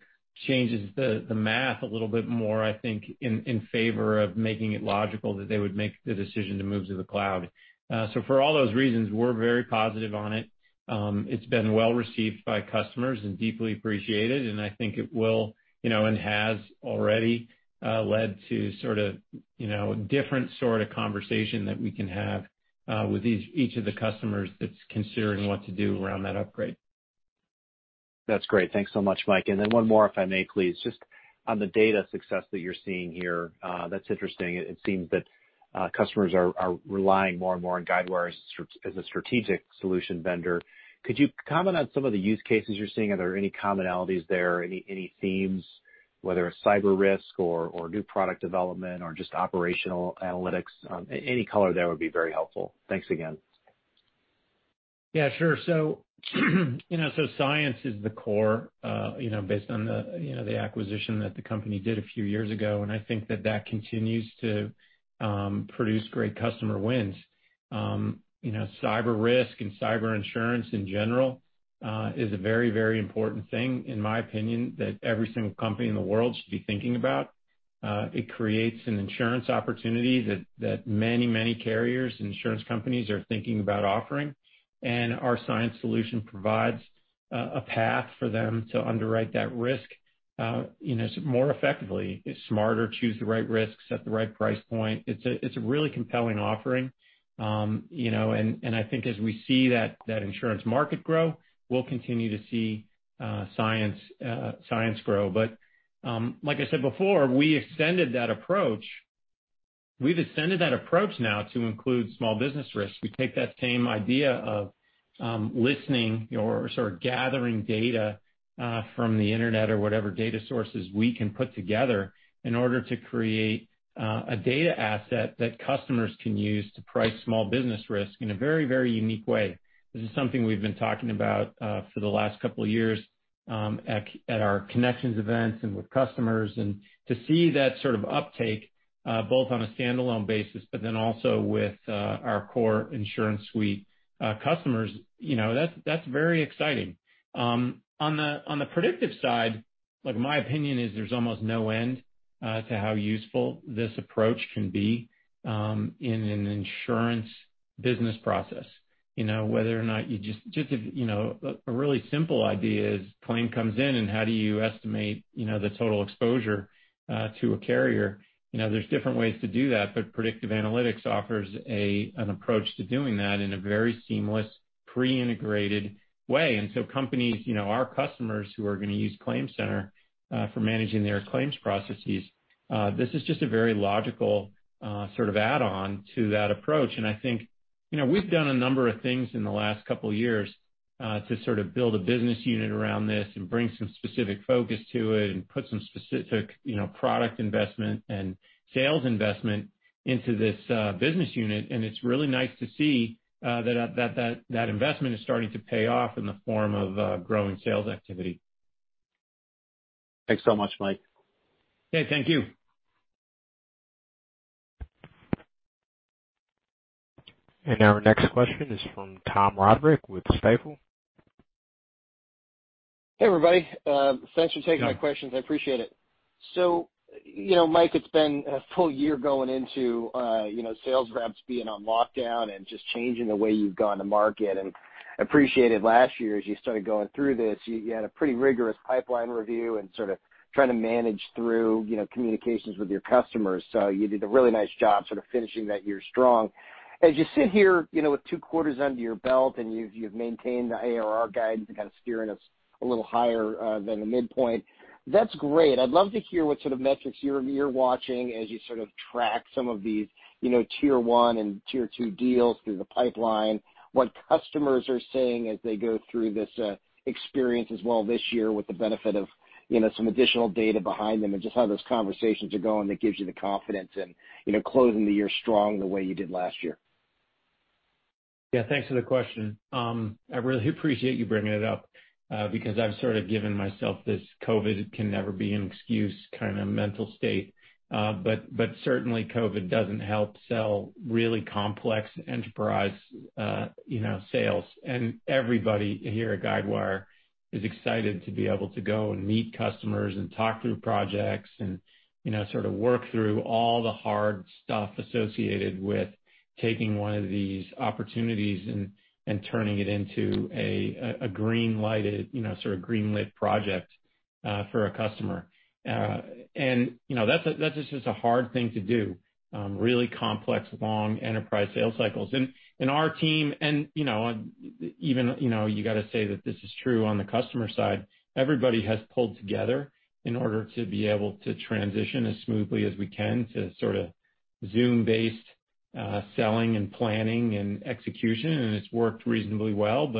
changes the math a little bit more, I think, in favor of making it logical that they would make the decision to move to the Cloud. For all those reasons, we're very positive on it. It's been well received by customers and deeply appreciated, I think it will and has already led to sort of different sort of conversation that we can have with each of the customers that's considering what to do around that upgrade. That's great. Thanks so much, Mike. One more, if I may, please. Just on the data success that you're seeing here, that's interesting. It seems that customers are relying more and more on Guidewire as a strategic solution vendor. Could you comment on some of the use cases you're seeing? Are there any commonalities there, any themes, whether it's cyber risk or new product development or just operational analytics? Any color there would be very helpful. Thanks again. Yeah, sure. Cyence is the core, based on the acquisition that the company did a few years ago. I think that that continues to produce great customer wins. Cyber risk and cyber insurance in general, is a very important thing, in my opinion, that every single company in the world should be thinking about. It creates an insurance opportunity that many carriers and insurance companies are thinking about offering. Our Cyence solution provides a path for them to underwrite that risk more effectively. It's smarter, choose the right risks at the right price point. It's a really compelling offering. I think as we see that insurance market grow, we'll continue to see Cyence grow. Like I said before, we've extended that approach now to include small business risk. We take that same idea of listening or sort of gathering data from the internet or whatever data sources we can put together in order to create a data asset that customers can use to price small business risk in a very unique way. This is something we've been talking about for the last couple of years at our Connections events and with customers. To see that sort of uptake, both on a standalone basis, but then also with our core InsuranceSuite customers, that's very exciting. On the predictive side, my opinion is there's almost no end to how useful this approach can be in an insurance business process. A really simple idea is claim comes in and how do you estimate the total exposure to a carrier? There's different ways to do that, predictive analytics offers an approach to doing that in a very seamless pre-integrated way. Companies, our customers who are going to use ClaimCenter for managing their claims processes, this is just a very logical sort of add-on to that approach. I think we've done a number of things in the last couple of years, to sort of build a business unit around this and bring some specific focus to it and put some specific product investment and sales investment into this business unit. It's really nice to see that investment is starting to pay off in the form of growing sales activity. Thanks so much, Mike. Okay. Thank you. Our next question is from Tom Roderick with Stifel. Hey, everybody. Thanks for taking my questions. I appreciate it. Mike, it's been a full year going into sales reps being on lockdown and just changing the way you've gone to market. I appreciated last year, as you started going through this, you had a pretty rigorous pipeline review and sort of trying to manage through communications with your customers. You did a really nice job sort of finishing that year strong. As you sit here with two quarters under your belt, and you've maintained the ARR guidance and kind of steering us a little higher than the midpoint. That's great. I'd love to hear what sort of metrics you're watching as you sort of track some of these tier 1 and tier 2 deals through the pipeline, what customers are saying as they go through this experience as well this year with the benefit of some additional data behind them. Just how those conversations are going that gives you the confidence in closing the year strong the way you did last year. Thanks for the question. I really appreciate you bringing it up, because I've sort of given myself this COVID can never be an excuse kind of mental state. Certainly COVID doesn't help sell really complex enterprise sales. Everybody here at Guidewire is excited to be able to go and meet customers and talk through projects and sort of work through all the hard stuff associated with taking one of these opportunities and turning it into a green lit project for a customer. That's just a hard thing to do. Really complex, long enterprise sales cycles. Our team and even you've got to say that this is true on the customer side, everybody has pulled together in order to be able to transition as smoothly as we can to sort of Zoom-based selling and planning and execution, and it's worked reasonably well.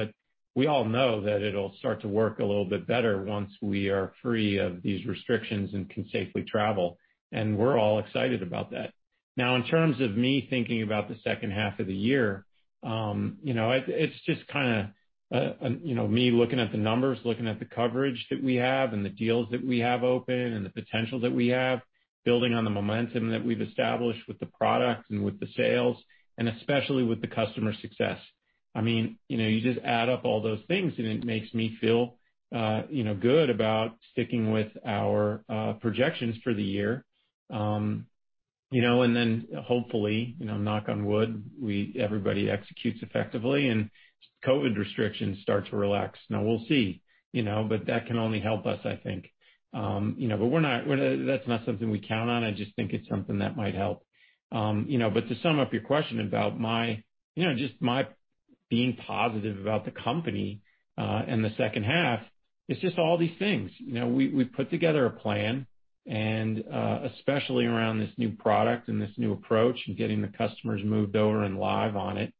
We all know that it'll start to work a little bit better once we are free of these restrictions and can safely travel. We're all excited about that. In terms of me thinking about the second half of the year, it's just kind of me looking at the numbers, looking at the coverage that we have and the deals that we have open and the potential that we have, building on the momentum that we've established with the product and with the sales, and especially with the customer success. You just add up all those things, and it makes me feel good about sticking with our projections for the year. Then hopefully, knock on wood, everybody executes effectively and COVID restrictions start to relax. We'll see. That can only help us, I think. That's not something we count on. I just think it's something that might help. To sum up your question about just my being positive about the company in the second half, it's just all these things. We've put together a plan, and especially around this new product and this new approach and getting the customers moved over and live on it.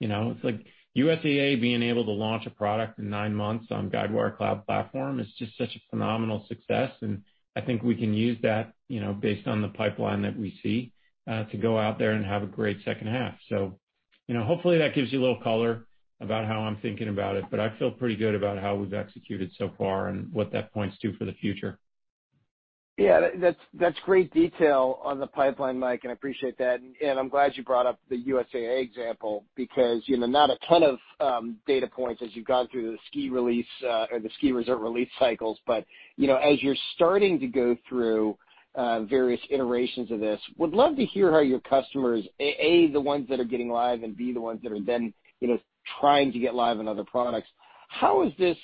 It's like USAA being able to launch a product in nine months on Guidewire Cloud Platform is just such a phenomenal success, and I think we can use that based on the pipeline that we see to go out there and have a great second half. Hopefully that gives you a little color about how I'm thinking about it, but I feel pretty good about how we've executed so far and what that points to for the future. Yeah, that's great detail on the pipeline, Mike, and I appreciate that. I'm glad you brought up the USAA example because not a ton of data points as you've gone through the ski resort release cycles. As you're starting to go through various iterations of this, would love to hear how your customers, A, the ones that are getting live, and B, the ones that are then trying to get live on other products. How is this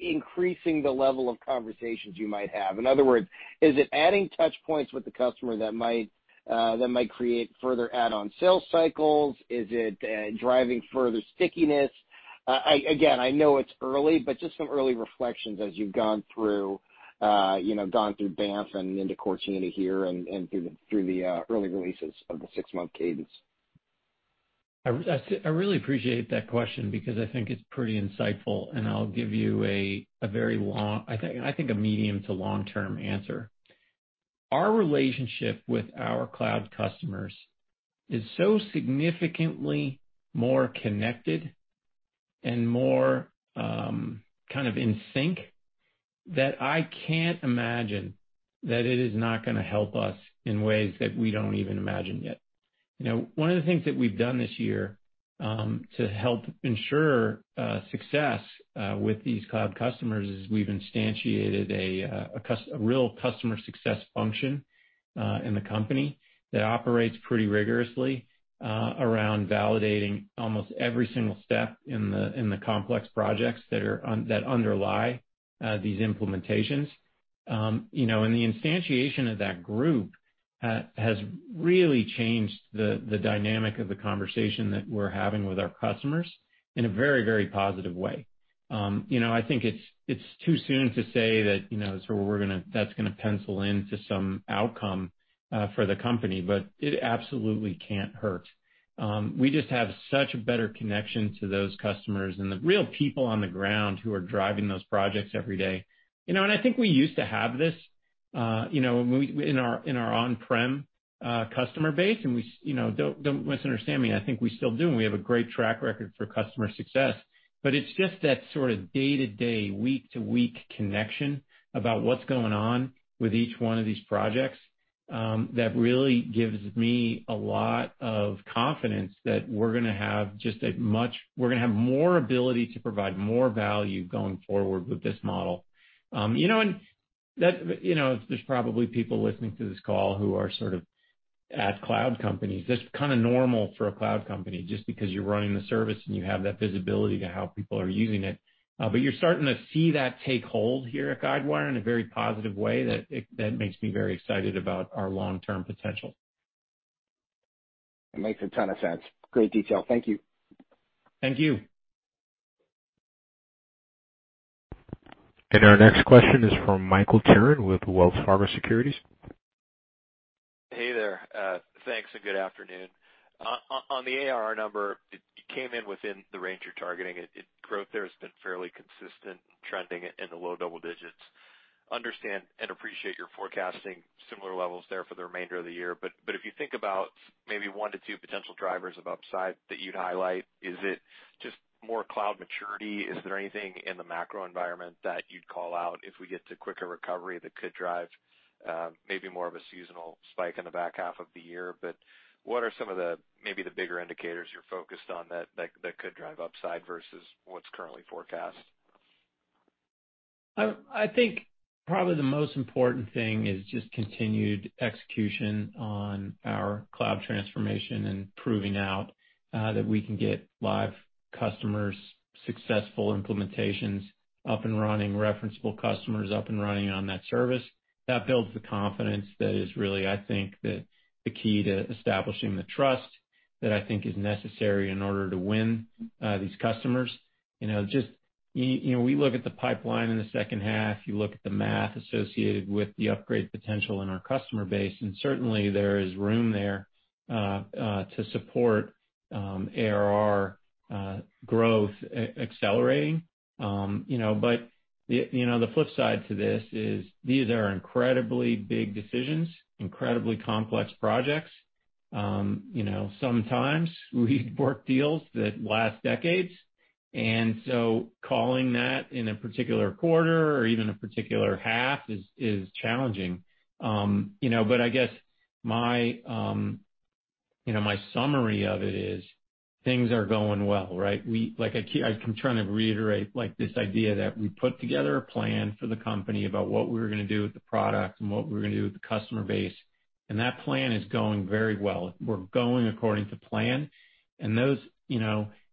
increasing the level of conversations you might have? In other words, is it adding touch points with the customer that might create further add-on sales cycles? Is it driving further stickiness? Again, I know it's early, but just some early reflections as you've gone through Banff and into Cortina here and through the early releases of the six-month cadence. I really appreciate that question because I think it's pretty insightful, and I'll give you a medium to long-term answer. Our relationship with our cloud customers is so significantly more connected and more kind of in sync that I can't imagine that it is not going to help us in ways that we don't even imagine yet. One of the things that we've done this year to help ensure success with these cloud customers is we've instantiated a real customer success function in the company that operates pretty rigorously around validating almost every single step in the complex projects that underlie these implementations. The instantiation of that group has really changed the dynamic of the conversation that we're having with our customers in a very, very positive way. I think it's too soon to say that that's going to pencil in to some outcome for the company. It absolutely can't hurt. We just have such a better connection to those customers and the real people on the ground who are driving those projects every day. I think we used to have this in our on-prem customer base. Don't misunderstand me, I think we still do, and we have a great track record for customer success. It's just that sort of day-to-day, week-to-week connection about what's going on with each one of these projects. That really gives me a lot of confidence that we're going to have more ability to provide more value going forward with this model. There's probably people listening to this call who are at cloud companies. That's kind of normal for a cloud company, just because you're running the service and you have that visibility to how people are using it. You're starting to see that take hold here at Guidewire in a very positive way, that makes me very excited about our long-term potential. It makes a ton of sense. Great detail. Thank you. Thank you. Our next question is from Michael Turrin with Wells Fargo Securities. Hey there. Thanks, and good afternoon. On the ARR number, it came in within the range you're targeting. Growth there has been fairly consistent, trending in the low double digits. Understand and appreciate you're forecasting similar levels there for the remainder of the year. If you think about maybe one to two potential drivers of upside that you'd highlight, is it just more cloud maturity? Is there anything in the macro environment that you'd call out if we get to quicker recovery that could drive maybe more of a seasonal spike in the back half of the year? What are some of the maybe the bigger indicators you're focused on that could drive upside versus what's currently forecast? I think probably the most important thing is just continued execution on our cloud transformation and proving out that we can get live customers successful implementations up and running, referenceable customers up and running on that service. That builds the confidence that is really, I think, the key to establishing the trust that I think is necessary in order to win these customers. We look at the pipeline in the second half. You look at the math associated with the upgrade potential in our customer base, and certainly there is room there to support ARR growth accelerating. The flip side to this is these are incredibly big decisions, incredibly complex projects. Sometimes we work deals that last decades, calling that in a particular quarter or even a particular half is challenging. I guess my summary of it is things are going well, right? I'm trying to reiterate this idea that we put together a plan for the company about what we were going to do with the product and what we were going to do with the customer base. That plan is going very well. We're going according to plan. The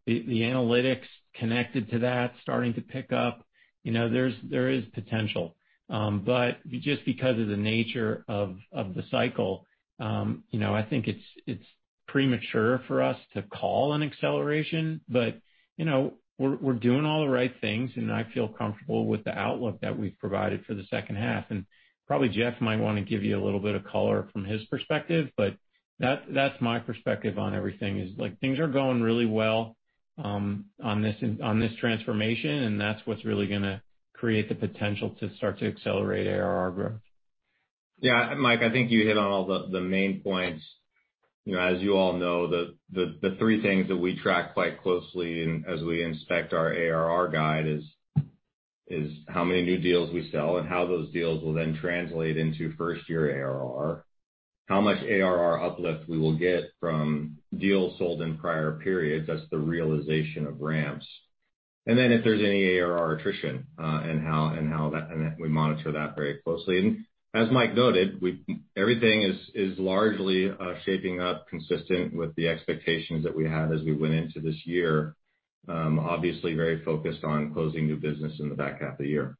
analytics connected to that starting to pick up. There is potential. Just because of the nature of the cycle, I think it's premature for us to call an acceleration. We're doing all the right things. I feel comfortable with the outlook that we've provided for the second half. Probably Jeff might want to give you a little bit of color from his perspective. That's my perspective on everything is things are going really well on this transformation. That's what's really going to create the potential to start to accelerate ARR growth. Yeah, Mike, I think you hit on all the main points. As you all know, the three things that we track quite closely as we inspect our ARR guide is how many new deals we sell and how those deals will then translate into first-year ARR, how much ARR uplift we will get from deals sold in prior periods. That's the realization of ramps. Then if there's any ARR attrition and how we monitor that very closely. As Mike noted, everything is largely shaping up consistent with the expectations that we had as we went into this year. Obviously very focused on closing new business in the back half of the year.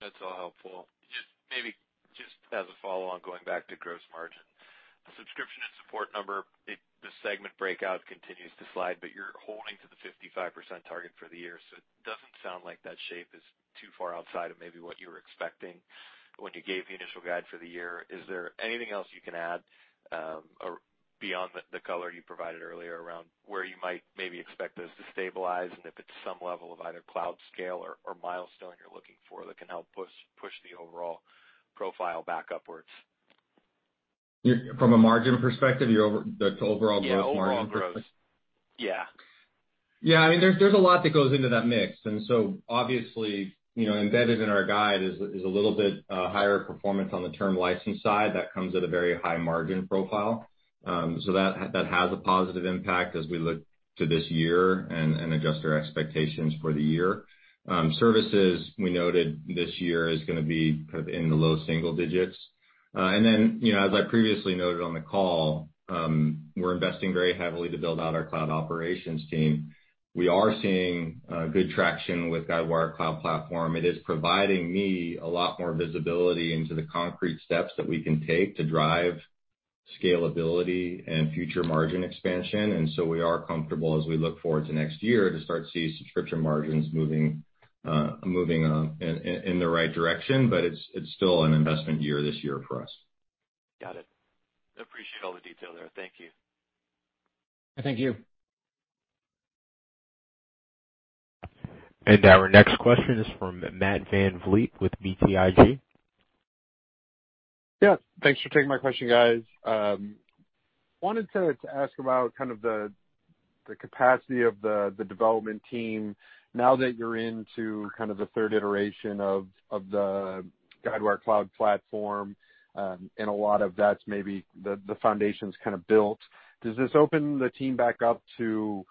That's all helpful. Just maybe just as a follow on, going back to gross margin. Subscription and support number, the segment breakout continues to slide, but you're holding to the 55% target for the year. It doesn't sound like that shape is too far outside of maybe what you were expecting when you gave the initial guide for the year. Is there anything else you can add beyond the color you provided earlier around where you might maybe expect this to stabilize? And if it's some level of either cloud scale or milestone you're looking for that can help push the overall profile back upwards. From a margin perspective, the overall gross margin perspective? Yeah, overall gross. Yeah. Yeah, there's a lot that goes into that mix. Obviously, embedded in our guide is a little bit higher performance on the term license side that comes at a very high margin profile. That has a positive impact as we look to this year and adjust our expectations for the year. Services we noted this year is going to be kind of in the low single digits. Then, as I previously noted on the call, we're investing very heavily to build out our cloud operations team. We are seeing good traction with Guidewire Cloud Platform. It is providing me a lot more visibility into the concrete steps that we can take to drive scalability and future margin expansion. We are comfortable as we look forward to next year to start seeing subscription margins moving in the right direction. It's still an investment year this year for us. Got it. Appreciate all the detail there. Thank you. Thank you. Our next question is from Matt VanVliet with BTIG. Yeah, thanks for taking my question, guys. Wanted to ask about the capacity of the development team now that you're into the third iteration of the Guidewire Cloud Platform, and a lot of that's maybe the foundation's built. Does this open the team back up to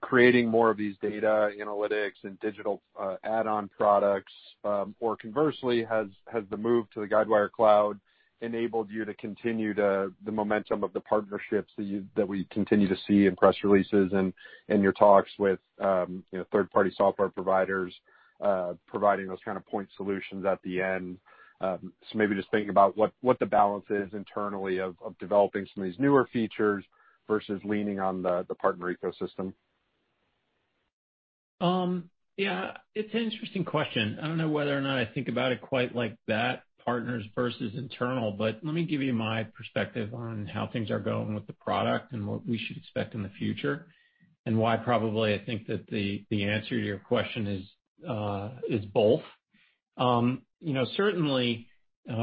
creating more of these data analytics and digital add-on products? Conversely, has the move to the Guidewire Cloud enabled you to continue the momentum of the partnerships that we continue to see in press releases and in your talks with third-party software providers providing those kind of point solutions at the end? Maybe just thinking about what the balance is internally of developing some of these newer features versus leaning on the partner ecosystem. Yeah. It's an interesting question. I don't know whether or not I think about it quite like that, partners versus internal, but let me give you my perspective on how things are going with the product and what we should expect in the future, and why probably I think that the answer to your question is both. Certainly,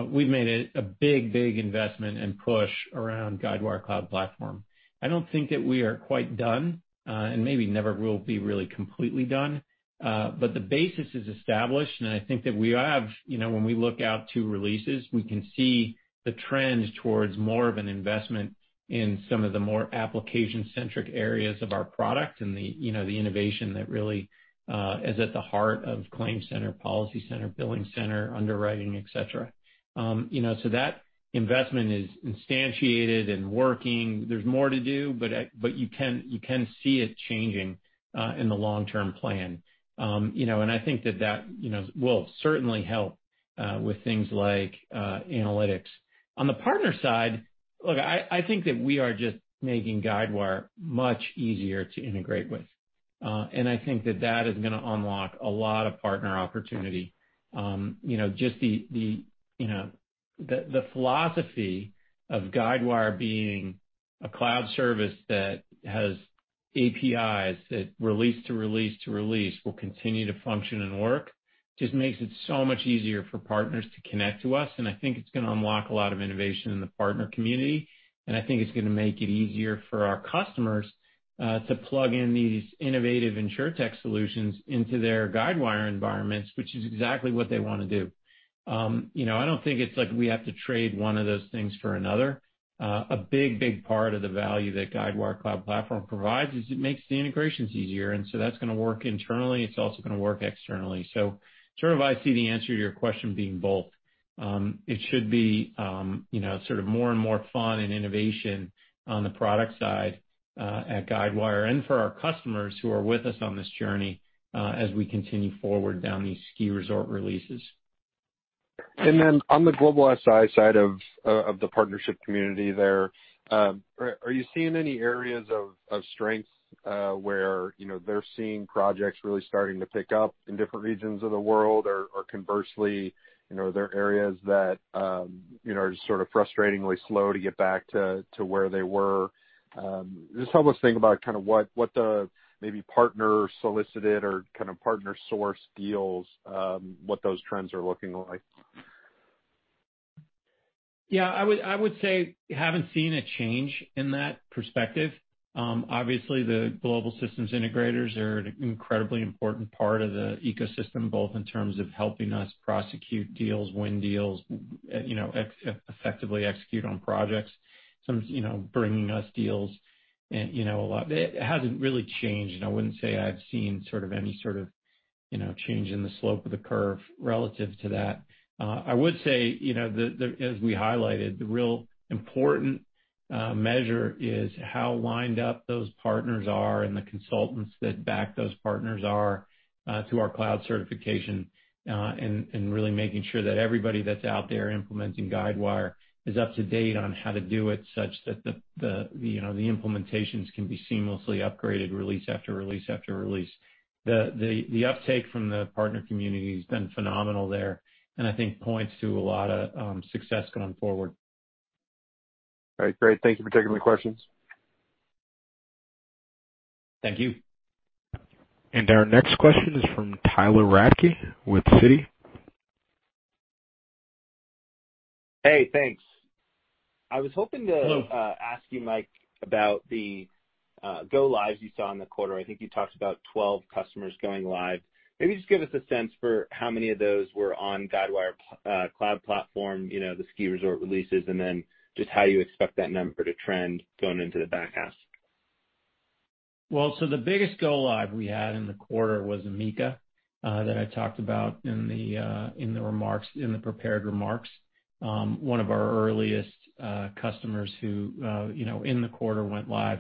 we've made a big investment and push around Guidewire Cloud Platform. I don't think that we are quite done, and maybe never will be really completely done. The basis is established, and I think that we have, when we look out two releases, we can see the trends towards more of an investment in some of the more application-centric areas of our product and the innovation that really is at the heart of ClaimCenter, PolicyCenter, BillingCenter, Underwriting, et cetera. That investment is instantiated and working. There's more to do, but you can see it changing in the long-term plan. I think that will certainly help with things like analytics. On the partner side, look, I think that we are just making Guidewire much easier to integrate with. I think that that is going to unlock a lot of partner opportunity. Just the philosophy of Guidewire being a cloud service that has APIs that release to release to release will continue to function and work just makes it so much easier for partners to connect to us, and I think it's going to unlock a lot of innovation in the partner community. I think it's going to make it easier for our customers to plug in these innovative insurtech solutions into their Guidewire environments, which is exactly what they want to do. I don't think it's like we have to trade one of those things for another. A big part of the value that Guidewire Cloud Platform provides is it makes the integrations easier, and so that's going to work internally. It's also going to work externally. I see the answer to your question being both. It should be more and more fun and innovation on the product side at Guidewire and for our customers who are with us on this journey as we continue forward down these ski resort releases. On the global SI side of the partnership community there, are you seeing any areas of strength where they're seeing projects really starting to pick up in different regions of the world? Or conversely, are there areas that are just frustratingly slow to get back to where they were? Just helping us think about what the maybe partner-solicited or partner-sourced deals, what those trends are looking like. Yeah. I would say we haven't seen a change in that perspective. Obviously, the global systems integrators are an incredibly important part of the ecosystem, both in terms of helping us prosecute deals, win deals, effectively execute on projects, bringing us deals. It hasn't really changed, and I wouldn't say I've seen any sort of change in the slope of the curve relative to that. I would say, as we highlighted, the real important measure is how lined up those partners are and the consultants that back those partners are to our cloud certification, and really making sure that everybody that's out there implementing Guidewire is up to date on how to do it such that the implementations can be seamlessly upgraded release after release after release. The uptake from the partner community has been phenomenal there, and I think points to a lot of success going forward. All right, great. Thank you for taking my questions. Thank you. Our next question is from Tyler Radke with Citi. Hey, thanks. Hello ask you, Mike, about the go lives you saw in the quarter. I think you talked about 12 customers going live. Maybe just give us a sense for how many of those were on Guidewire Cloud Platform, the ski resort releases, and then just how you expect that number to trend going into the back half. The biggest go live we had in the quarter was Amica, that I talked about in the prepared remarks. One of our earliest customers who in the quarter went live.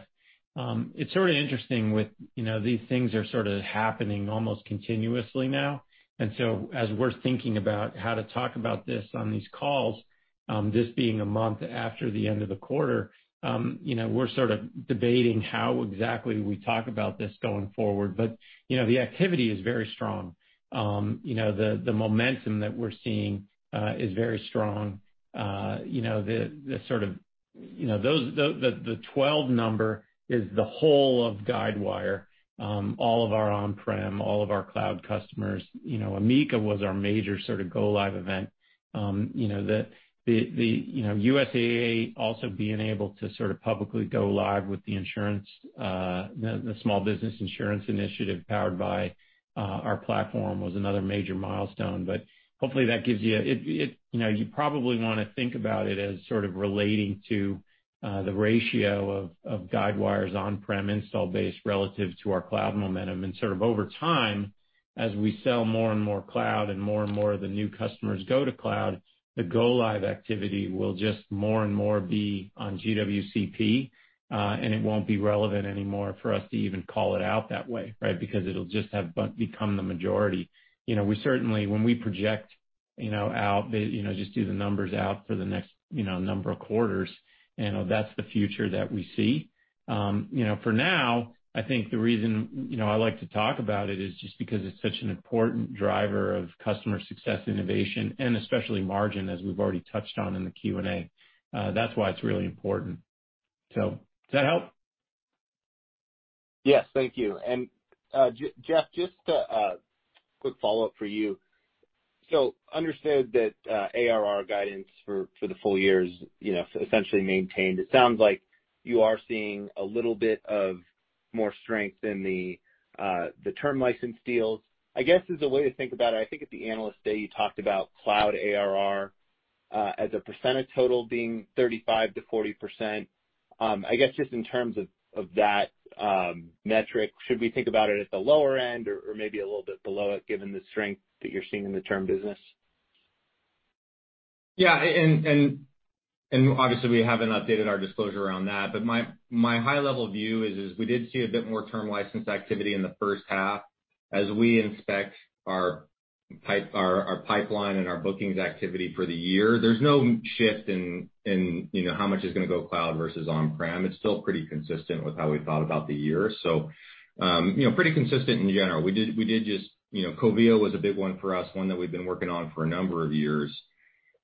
It's sort of interesting with these things are sort of happening almost continuously now. As we're thinking about how to talk about this on these calls, this being a month after the end of the quarter, we're sort of debating how exactly we talk about this going forward. The activity is very strong. The momentum that we're seeing is very strong. The 12 number is the whole of Guidewire, all of our on-prem, all of our cloud customers. Amica was our major go-live event. The USAA also being able to publicly go live with the small business insurance initiative powered by our platform was another major milestone. Hopefully, you probably want to think about it as relating to the ratio of Guidewire's on-prem install base relative to our cloud momentum. Over time, as we sell more and more cloud and more and more of the new customers go to cloud, the go-live activity will just more and more be on GWCP, and it won't be relevant anymore for us to even call it out that way, right? It'll just have become the majority. When we project out, just do the numbers out for the next number of quarters, that's the future that we see. For now, I think the reason I like to talk about it is just because it's such an important driver of customer success, innovation, and especially margin, as we've already touched on in the Q&A. That's why it's really important. Does that help? Yes. Thank you. Jeff, just a quick follow-up for you. Understood that ARR guidance for the full year is essentially maintained. It sounds like you are seeing a little bit of more strength in the term license deals. I guess, as a way to think about it, I think at the Analyst Day, you talked about cloud ARR as a percent of total being 35% to 40%. I guess, just in terms of that metric, should we think about it at the lower end or maybe a little bit below it, given the strength that you're seeing in the term business? Yeah. Obviously we haven't updated our disclosure around that. My high-level view is we did see a bit more term license activity in the first half. As we inspect our pipeline and our bookings activity for the year, there's no shift in how much is going to go cloud versus on-prem. It's still pretty consistent with how we thought about the year. Pretty consistent in general. Covéa was a big one for us, one that we've been working on for a number of years.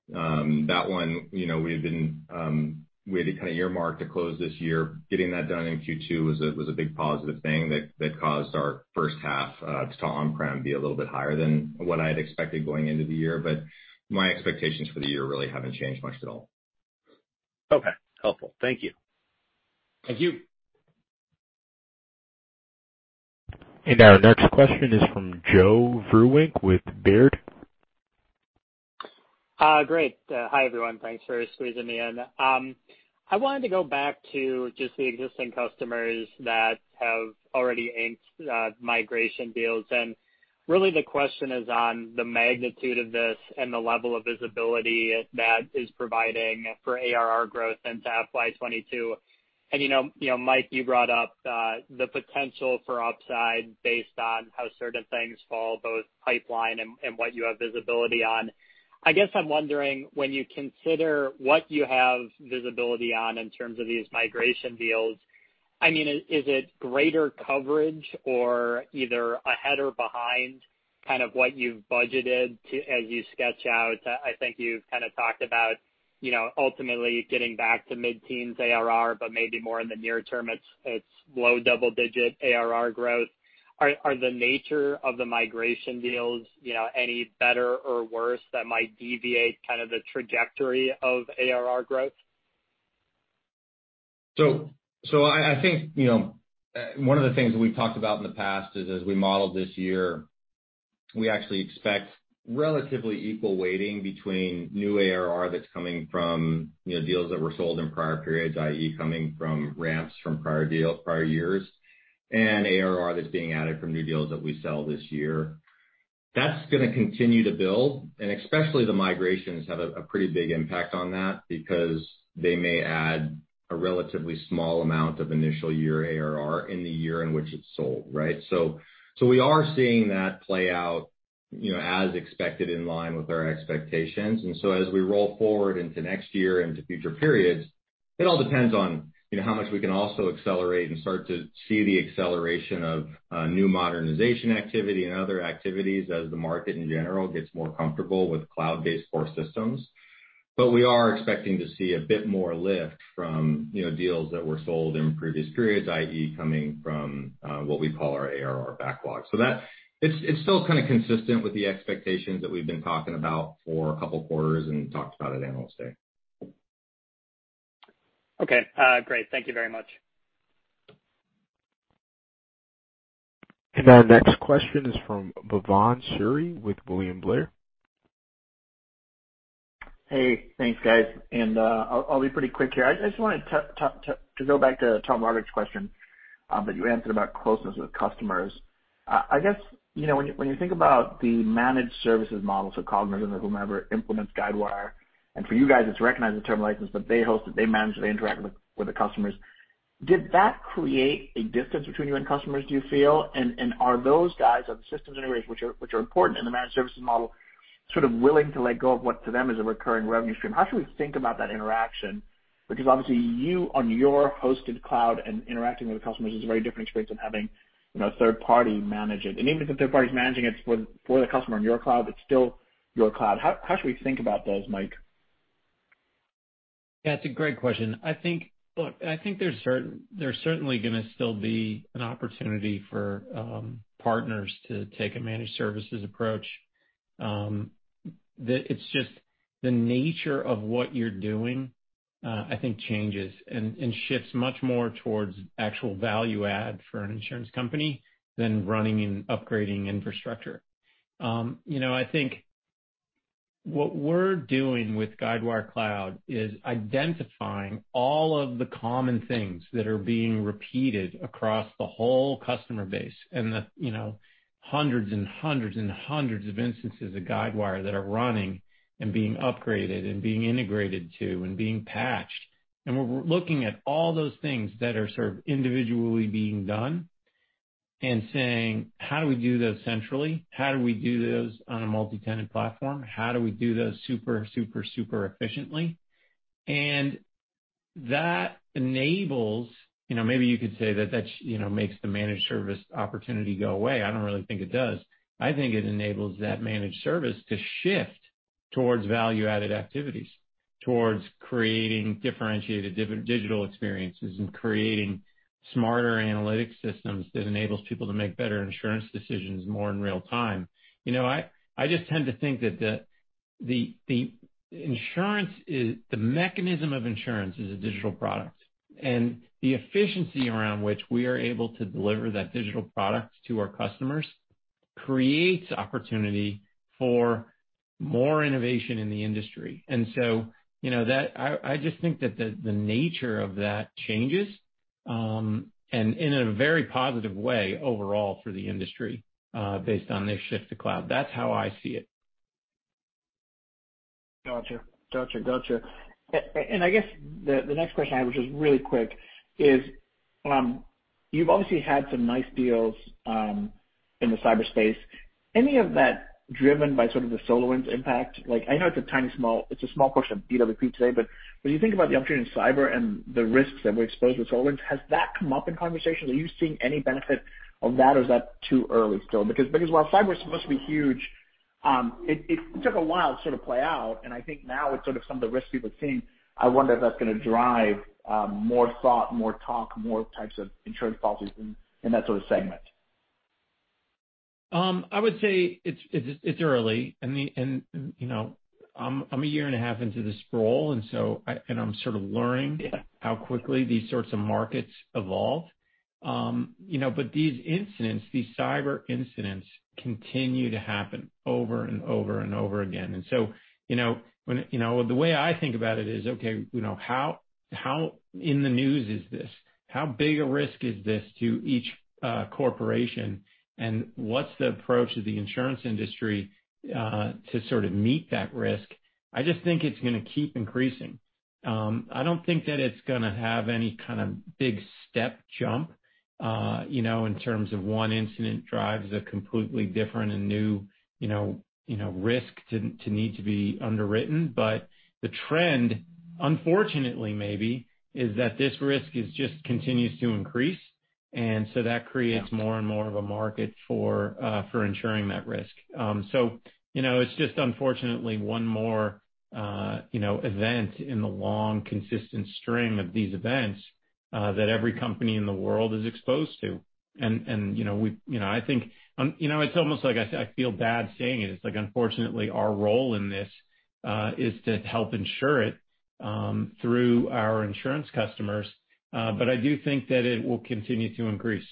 That one, we had to kind of earmark to close this year. Getting that done in Q2 was a big positive thing that caused our first half to on-prem be a little bit higher than what I had expected going into the year. My expectations for the year really haven't changed much at all. Okay. Helpful. Thank you. Thank you. Our next question is from Joe Vruwink with Baird. Great. Hi, everyone. Thanks for squeezing me in. I wanted to go back to just the existing customers that have already inked migration deals. Really the question is on the magnitude of this and the level of visibility that is providing for ARR growth into FY 2022. Mike, you brought up the potential for upside based on how certain things fall, both pipeline and what you have visibility on. I guess I'm wondering, when you consider what you have visibility on in terms of these migration deals, is it greater coverage or either ahead or behind what you've budgeted as you sketch out? I think you've kind of talked about ultimately getting back to mid-teens ARR, but maybe more in the near term, it's low double-digit ARR growth. Are the nature of the migration deals any better or worse that might deviate kind of the trajectory of ARR growth? I think one of the things that we've talked about in the past is as we modeled this year, we actually expect relatively equal weighting between new ARR that's coming from deals that were sold in prior periods, i.e., coming from ramps from prior years, and ARR that's being added from new deals that we sell this year. That's going to continue to build, and especially the migrations have a pretty big impact on that because they may add a relatively small amount of initial year ARR in the year in which it's sold, right? We are seeing that play out as expected, in line with our expectations. As we roll forward into next year, into future periods, it all depends on how much we can also accelerate and start to see the acceleration of new modernization activity and other activities as the market in general gets more comfortable with cloud-based core systems. We are expecting to see a bit more lift from deals that were sold in previous periods, i.e., coming from what we call our ARR backlog. It's still kind of consistent with the expectations that we've been talking about for a couple of quarters and talked about at Analyst Day. Okay. Great. Thank you very much. Our next question is from Bhavan Suri with William Blair. Hey, thanks guys. I'll be pretty quick here. I just wanted to go back to Tom Roderick's question that you answered about closeness with customers. I guess, when you think about the managed services model, Cognizant or whomever implements Guidewire, and for you guys, it's recognized as a term license, but they host it, they manage it, they interact with the customers. Did that create a distance between you and customers, do you feel? Are those guys or the systems integrators, which are important in the managed services model, sort of willing to let go of what to them is a recurring revenue stream? How should we think about that interaction? Obviously you on your hosted cloud and interacting with customers is a very different experience than having a third party manage it. Even if the third party's managing it for the customer in your cloud, it's still your cloud. How should we think about those, Mike? That's a great question. I think there's certainly going to still be an opportunity for partners to take a managed services approach. It's just the nature of what you're doing, I think changes and shifts much more towards actual value add for an insurance company than running and upgrading infrastructure. I think what we're doing with Guidewire Cloud is identifying all of the common things that are being repeated across the whole customer base and the hundreds and hundreds of instances of Guidewire that are running and being upgraded and being integrated to and being patched. We're looking at all those things that are sort of individually being done and saying, "How do we do those centrally? How do we do those on a multi-tenant platform? How do we do those super efficiently?" That enables maybe you could say that makes the managed service opportunity go away. I don't really think it does. I think it enables that managed service to shift towards value-added activities, towards creating differentiated digital experiences, and creating smarter analytics systems that enables people to make better insurance decisions more in real time. I just tend to think that the mechanism of insurance is a digital product, and the efficiency around which we are able to deliver that digital product to our customers creates opportunity for more innovation in the industry. I just think that the nature of that changes, and in a very positive way overall for the industry, based on this shift to cloud. That's how I see it. Got you. I guess the next question I have, which is really quick, is you've obviously had some nice deals in the cyber space. Any of that driven by sort of the SolarWinds impact? I know it's a small portion of P&C today, but when you think about the opportunity in cyber and the risks that we expose with SolarWinds, has that come up in conversations? Are you seeing any benefit of that or is that too early still? While cyber is supposed to be huge, it took a while to sort of play out, and I think now with sort of some of the risks people are seeing, I wonder if that's going to drive more thought, more talk, more types of insurance policies in that sort of segment. I would say it's early. I'm a year and a half into this role, and I'm sort of learning- Yeah how quickly these sorts of markets evolve. These incidents, these cyber incidents, continue to happen over and over again. The way I think about it is, okay, how in the news is this? How big a risk is this to each corporation? What's the approach of the insurance industry to sort of meet that risk? I just think it's going to keep increasing. I don't think that it's going to have any kind of big step jump in terms of one incident drives a completely different and new risk to need to be underwritten. The trend, unfortunately maybe, is that this risk just continues to increase, and so that creates more and more of a market for ensuring that risk. It's just unfortunately one more event in the long, consistent string of these events that every company in the world is exposed to. I think it's almost like I feel bad saying it. It's like, unfortunately, our role in this is to help insure it through our insurance customers. I do think that it will continue to increase.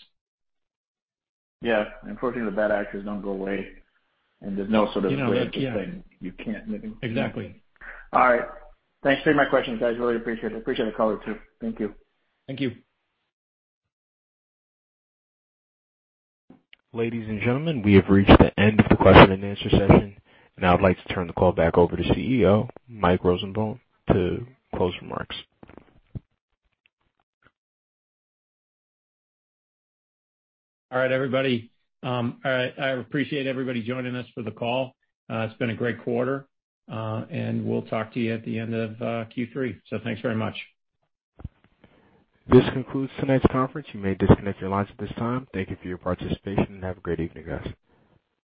Yeah. Unfortunately, the bad actors don't go away. You know it. Yeah risk thing. You can't really. Exactly. All right. Thanks for taking my questions, guys. Really appreciate it. Appreciate the color, too. Thank you. Thank you. Ladies and gentlemen, we have reached the end of the question and answer session. I would like to turn the call back over to CEO, Mike Rosenbaum, to close remarks. All right, everybody. I appreciate everybody joining us for the call. It's been a great quarter. We'll talk to you at the end of Q3. Thanks very much. This concludes tonight's conference. You may disconnect your lines at this time. Thank you for your participation and have a great evening, guys.